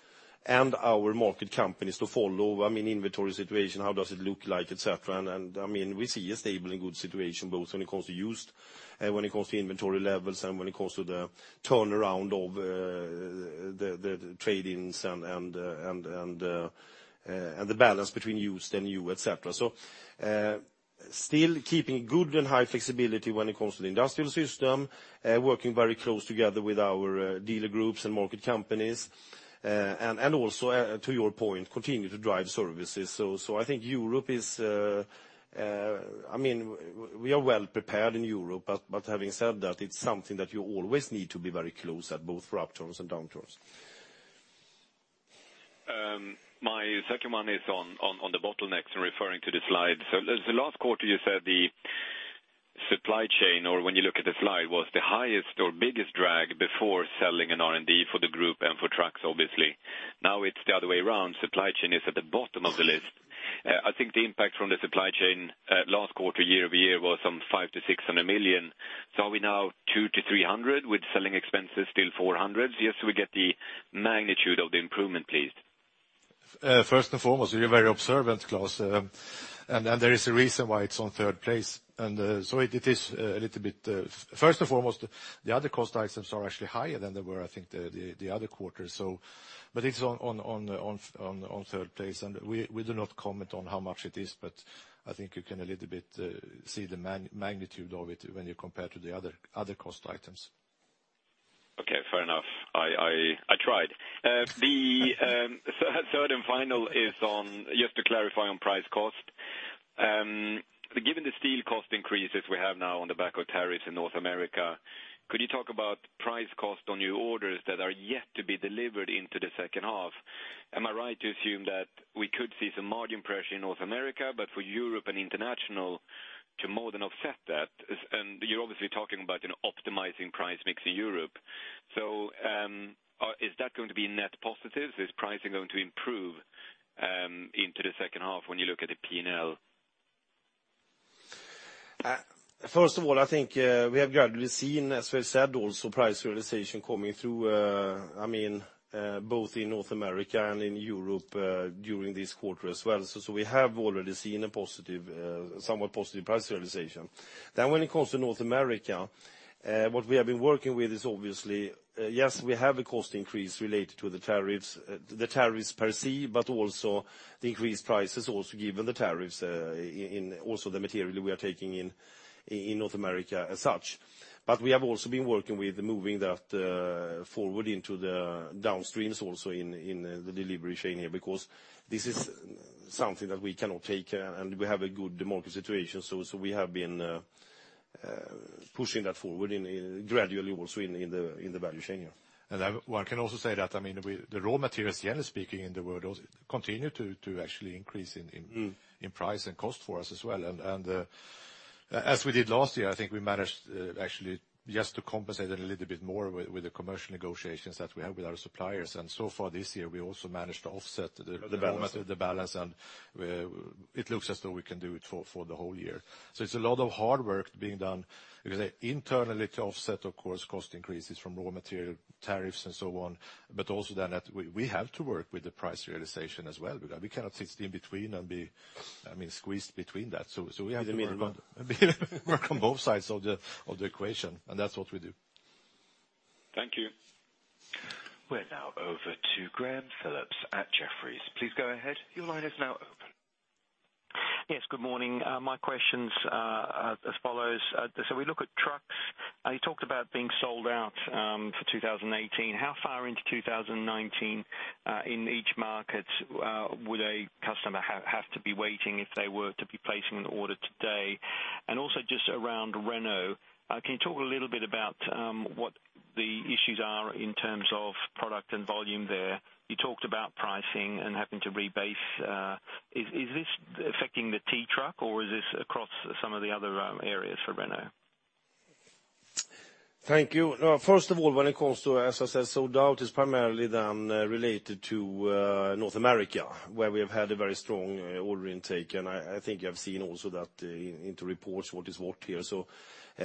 and our market companies to follow inventory situation, how does it look like, et cetera. We see a stable and good situation both when it comes to used, and when it comes to inventory levels, and when it comes to the turnaround of the trade-ins and the balance between used and new, et cetera. Still keeping good and high flexibility when it comes to the industrial system, working very close together with our dealer groups and market companies. Also, to your point, continue to drive services. I think Europe is-- We are well prepared in Europe. Having said that, it's something that you always need to be very close at, both for upturns and downturns. My second one is on the bottlenecks and referring to the slide. Last quarter, you said the supply chain, or when you look at the slide, was the highest or biggest drag before selling in R&D for the group and for trucks, obviously. Now it's the other way around. Supply chain is at the bottom of the list. I think the impact from the supply chain last quarter year-over-year was some [500 million-600 million]. Are we now [200 million-300 million] with selling expenses still 400? Just so we get the magnitude of the improvement, please. First and foremost, you're very observant, Klas. There is a reason why it's on third place. It is a little bit. First and foremost, the other cost items are actually higher than they were, I think, the other quarter. It's on third place, and we do not comment on how much it is, but I think you can a little bit see the magnitude of it when you compare to the other cost items. Okay, fair enough. I tried. The third and final is on, just to clarify on price cost. Given the steel cost increases we have now on the back of tariffs in North America, could you talk about price cost on new orders that are yet to be delivered into the second half? Am I right to assume that we could see some margin pressure in North America, but for Europe and international to more than offset that? You're obviously talking about optimizing price mix in Europe. Is that going to be net positive? Is pricing going to improve into the second half when you look at the P&L? First of all, I think we have gradually seen, as we've said, also price realization coming through, both in North America and in Europe during this quarter as well. When it comes to North America, what we have been working with is obviously, yes, we have a cost increase related to the tariffs per se, but also the increased prices also given the tariffs in also the material that we are taking in North America as such. We have also been working with moving that forward into the downstreams also in the delivery chain here, because this is something that we cannot take, and we have a good market situation. We have been pushing that forward gradually also in the value chain here. One can also say that, the raw materials, generally speaking, in the world also continue to actually increase in price and cost for us as well. As we did last year, I think we managed actually just to compensate it a little bit more with the commercial negotiations that we have with our suppliers. So far this year, we also managed to offset the balance, and it looks as though we can do it for the whole year. It's a lot of hard work being done, because internally to offset, of course, cost increases from raw material tariffs and so on, but also that we have to work with the price realization as well, because we cannot sit in between and be squeezed between that. We have to work on both sides of the equation, and that's what we do. Thank you. We're now over to Graham Phillips at Jefferies. Please go ahead. Your line is now open. Yes, good morning. My question's as follows. We look at trucks. You talked about being sold out for 2018. How far into 2019, in each market, would a customer have to be waiting if they were to be placing an order today? Also just around Renault, can you talk a little bit about what the issues are in terms of product and volume there? You talked about pricing and having to rebase. Is this affecting the T truck, or is this across some of the other areas for Renault? Thank you. First of all, when it comes to, as I said, sold out is primarily then related to North America, where we have had a very strong order intake. I think you have seen also that into reports what is what here.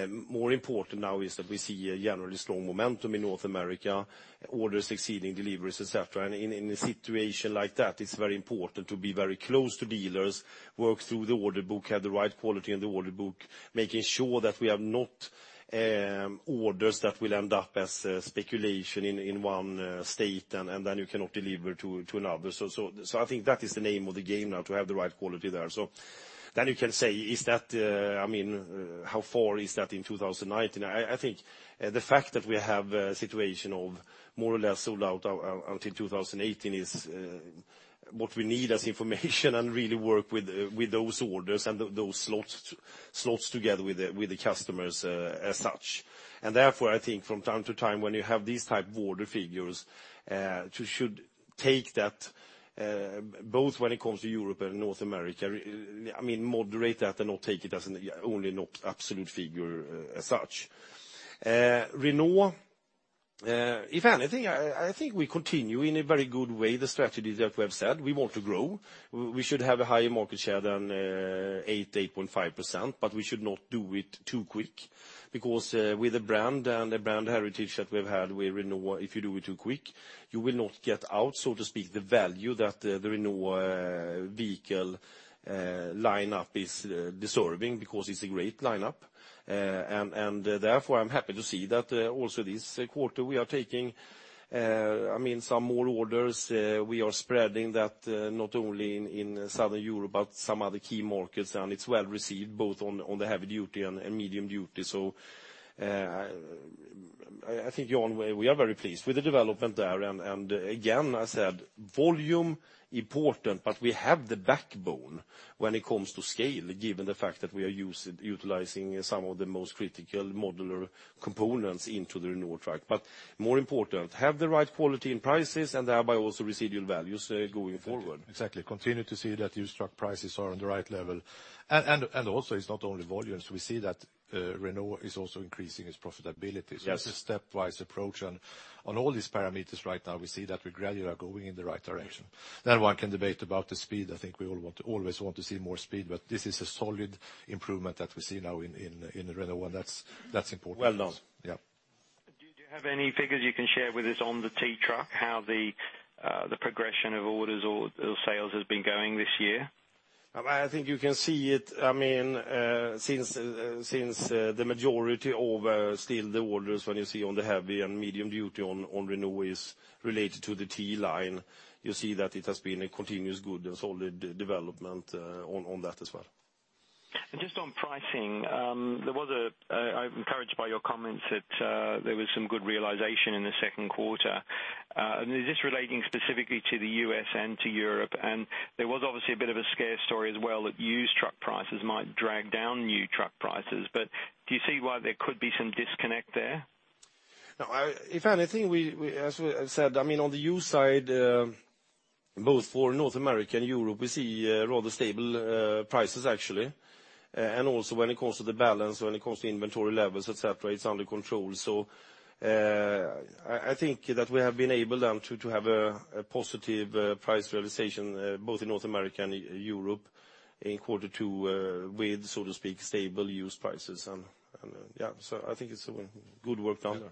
More important now is that we see a generally strong momentum in North America, orders exceeding deliveries, et cetera. In a situation like that, it's very important to be very close to dealers, work through the order book, have the right quality in the order book, making sure that we have not orders that will end up as speculation in one state, and then you cannot deliver to another. I think that is the name of the game now, to have the right quality there. You can say, how far is that in 2019? I think the fact that we have a situation of more or less sold out until 2018 is what we need as information and really work with those orders and those slots together with the customers as such. Therefore, I think from time to time, when you have these type of order figures, you should take that, both when it comes to Europe and North America, moderate that and not take it as only an absolute figure as such. Renault, if anything, I think we continue in a very good way, the strategies that we have said. We want to grow. We should have a higher market share than 8%-8.5%, but we should not do it too quick, because with the brand and the brand heritage that we've had with Renault, if you do it too quick, you will not get out, so to speak, the value that the Renault vehicle lineup is deserving, because it's a great lineup. Therefore, I'm happy to see that also this quarter we are taking some more orders. We are spreading that not only in Southern Europe, but some other key markets, and it's well-received, both on the heavy duty and medium duty. I think, Jan, we are very pleased with the development there. Again, I said, volume important, but we have the backbone when it comes to scale, given the fact that we are utilizing some of the most critical modular components into the Renault Trucks. More important, have the right quality and prices, and thereby also residual values going forward. Exactly. Continue to see that used truck prices are on the right level. Also, it's not only volumes. We see that Renault is also increasing its profitability. Yes. It's a stepwise approach on all these parameters right now, we see that we gradually are going in the right direction. One can debate about the speed. I think we all always want to see more speed, this is a solid improvement that we see now in Renault, that's important. Well done. Yeah. Do you have any figures you can share with us on the T truck, how the progression of orders or sales has been going this year? I think you can see it. Since the majority of still the orders when you see on the heavy and medium duty on Renault is related to the T line, you see that it has been a continuous good and solid development on that as well. Just on pricing, I'm encouraged by your comments that there was some good realization in the second quarter. Is this relating specifically to the U.S. and to Europe? There was obviously a bit of a scare story as well that used truck prices might drag down new truck prices. Do you see why there could be some disconnect there? No. If anything, as I said, on the used side, both for North America and Europe, we see rather stable prices actually. Also when it comes to the balance, when it comes to inventory levels, et cetera, it's under control. I think that we have been able then to have a positive price realization, both in North America and Europe in quarter two with, so to speak, stable used prices. Yeah, I think it's good work done there.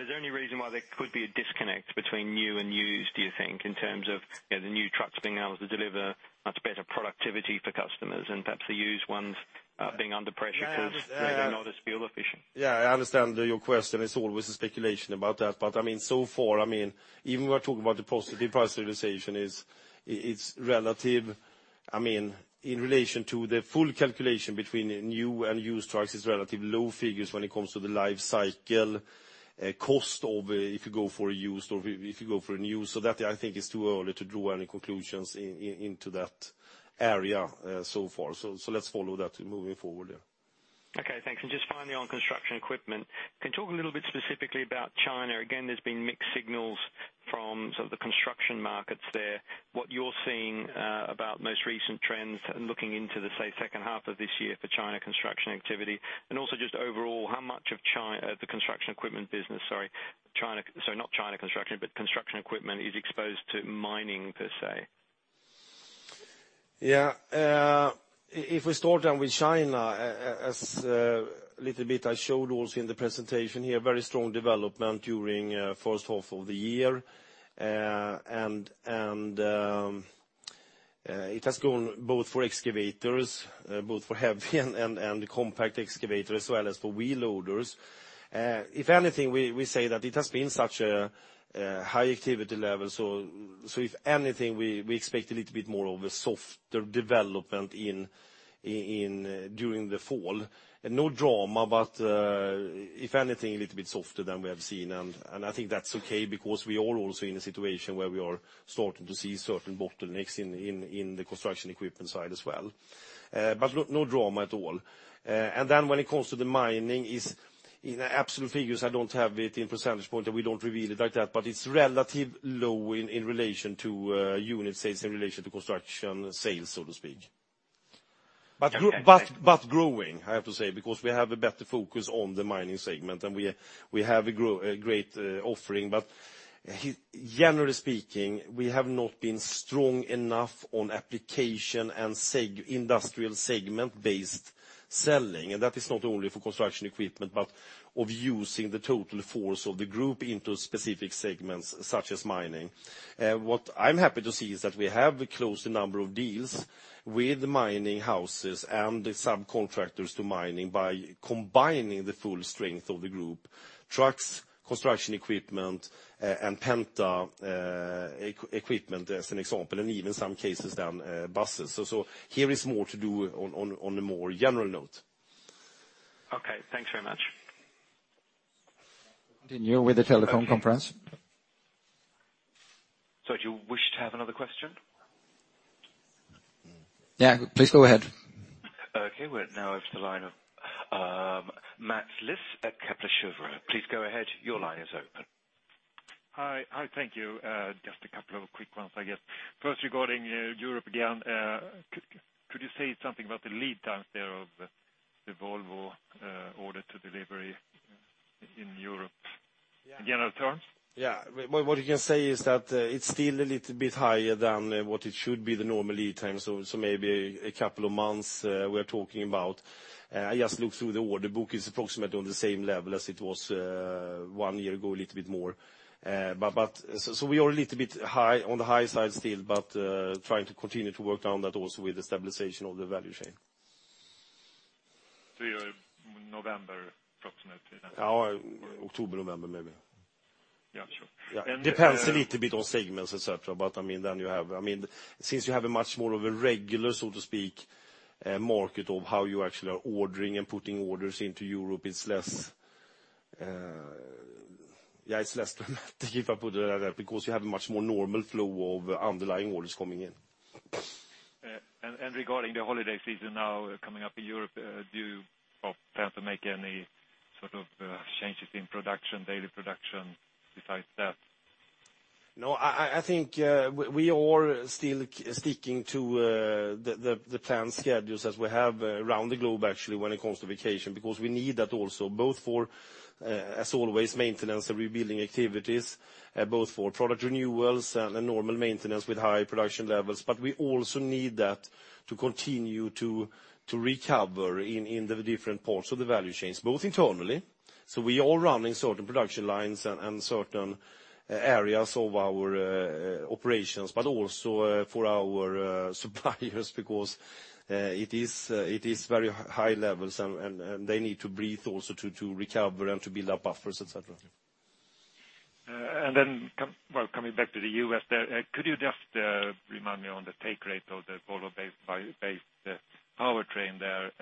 Is there any reason why there could be a disconnect between new and used, do you think, in terms of the new trucks being able to deliver much better productivity for customers and perhaps the used ones being under pressure because they're not as fuel efficient? Yeah, I understand your question. It's always a speculation about that. So far, even we are talking about the positive price realization, it's relative. In relation to the full calculation between new and used trucks, it's relatively low figures when it comes to the life cycle cost of if you go for used or if you go for new. That, I think, is too early to draw any conclusions into that area so far. Let's follow that moving forward, yeah. Okay, thanks. Just finally on construction equipment, can you talk a little bit specifically about China? Again, there's been mixed signals from some of the construction markets there. What you're seeing about most recent trends and looking into the, say, second half of this year for China construction activity, and also just overall, how much of the construction equipment business, sorry, not China construction, but construction equipment is exposed to mining, per se? Yeah. If we start with China, as little bit I showed also in the presentation here, very strong development during first half of the year. It has gone both for excavators, both for heavy and compact excavators, as well as for wheel loaders. If anything, we say that it has been such a high activity level. If anything, we expect a little bit more of a softer development during the fall. No drama, but if anything, a little bit softer than we have seen. I think that's okay because we are also in a situation where we are starting to see certain bottlenecks in the construction equipment side as well. No drama at all. When it comes to the mining, in absolute figures, I don't have it in percentage point, we don't reveal it like that, it's relative low in relation to unit sales, in relation to construction sales, so to speak. Growing, I have to say, because we have a better focus on the mining segment, we have a great offering. Generally speaking, we have not been strong enough on application and industrial segment-based selling. That is not only for construction equipment, but of using the total force of the group into specific segments such as mining. What I'm happy to see is that we have closed a number of deals with mining houses and subcontractors to mining by combining the full strength of the group, trucks, construction equipment, and Penta equipment, as an example, and even some cases, buses. Here is more to do on a more general note. Okay. Thanks very much. Continue with the telephone conference Another question? Yeah, please go ahead. Okay. We are now over to the line of Mats Liss at Kepler Cheuvreux. Please go ahead. Your line is open. Hi. Thank you. Just a couple of quick ones, I guess. First, regarding Europe again, could you say something about the lead times there of the Volvo order to delivery in Europe, in general terms? Yeah. What you can say is that it is still a little bit higher than what it should be, the normal lead time. Maybe a couple of months we are talking about. I just looked through the order book. It is approximately on the same level as it was one year ago, a little bit more. We are a little bit on the high side still, but trying to continue to work on that also with the stabilization of the value chain. You are November approximately, then? Yeah, October, November, maybe. Yeah, sure. It depends a little bit on segments, et cetera. Since you have a much more of a regular, so to speak, market of how you actually are ordering and putting orders into Europe, it's less to keep up with because you have a much more normal flow of underlying orders coming in. Regarding the holiday season now coming up in Europe, do you plan to make any sort of changes in production, daily production, besides that? No, I think we are all still sticking to the planned schedules as we have around the globe, actually, when it comes to vacation, because we need that also, both for, as always, maintenance and rebuilding activities, both for product renewals and normal maintenance with high production levels. We also need that to continue to recover in the different parts of the value chains, both internally, so we are running certain production lines and certain areas of our operations, but also for our suppliers because it is very high levels, and they need to breathe also to recover and to build up buffers, et cetera. Coming back to the U.S. there, could you just remind me on the take rate of the Volvo-based powertrain there,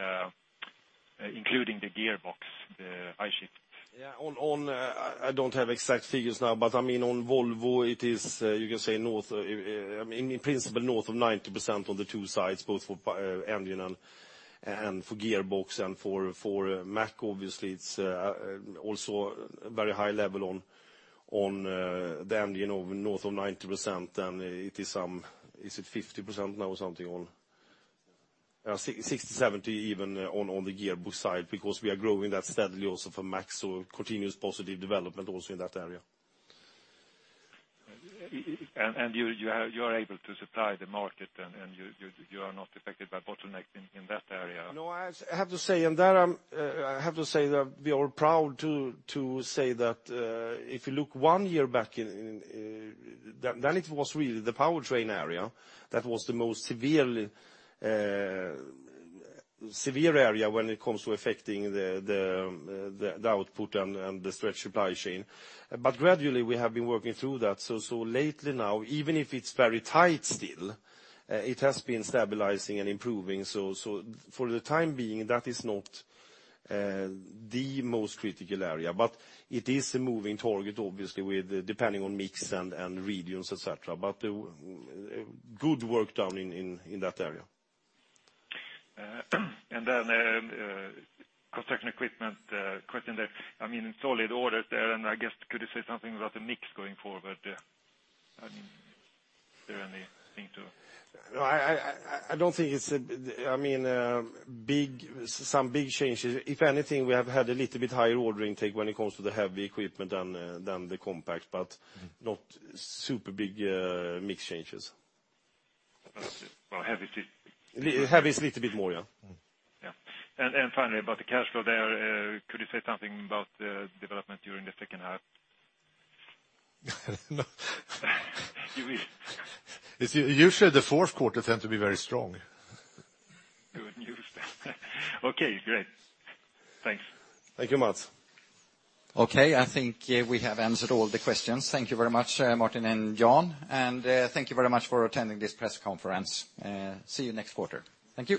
including the gearbox, I-Shift? Yeah. I don't have exact figures now, but on Volvo, it is in principle north of 90% on the two sides, both for engine and for gearbox. For Mack, obviously, it's also very high level on the engine, north of 90%, and it is 50% now or something 60%, 70% even on the gearbox side, because we are growing that steadily also for Mack, continuous positive development also in that area. You are able to supply the market, and you are not affected by bottleneck in that area? No, I have to say that we are proud to say that if you look one year back, then it was really the powertrain area that was the most severe area when it comes to affecting the output and the stretched supply chain. Gradually, we have been working through that. Lately now, even if it's very tight still, it has been stabilizing and improving. For the time being, that is not the most critical area. It is a moving target, obviously, depending on mix and regions, et cetera. Good work done in that area. Construction Equipment question there. Solid orders there, and I guess could you say something about the mix going forward? Is there anything to No, I don't think it's some big changes. If anything, we have had a little bit higher order intake when it comes to the heavy equipment than the compact, but not super big mix changes. Well. Heavy is little bit more, yeah. Yeah. Finally, about the cash flow there, could you say something about the development during the second half? No. You will. Usually the fourth quarter tends to be very strong. Good news then. Okay, great. Thanks. Thank you, Mats. Okay, I think we have answered all the questions. Thank you very much, Martin and Jan, and thank you very much for attending this press conference. See you next quarter. Thank you.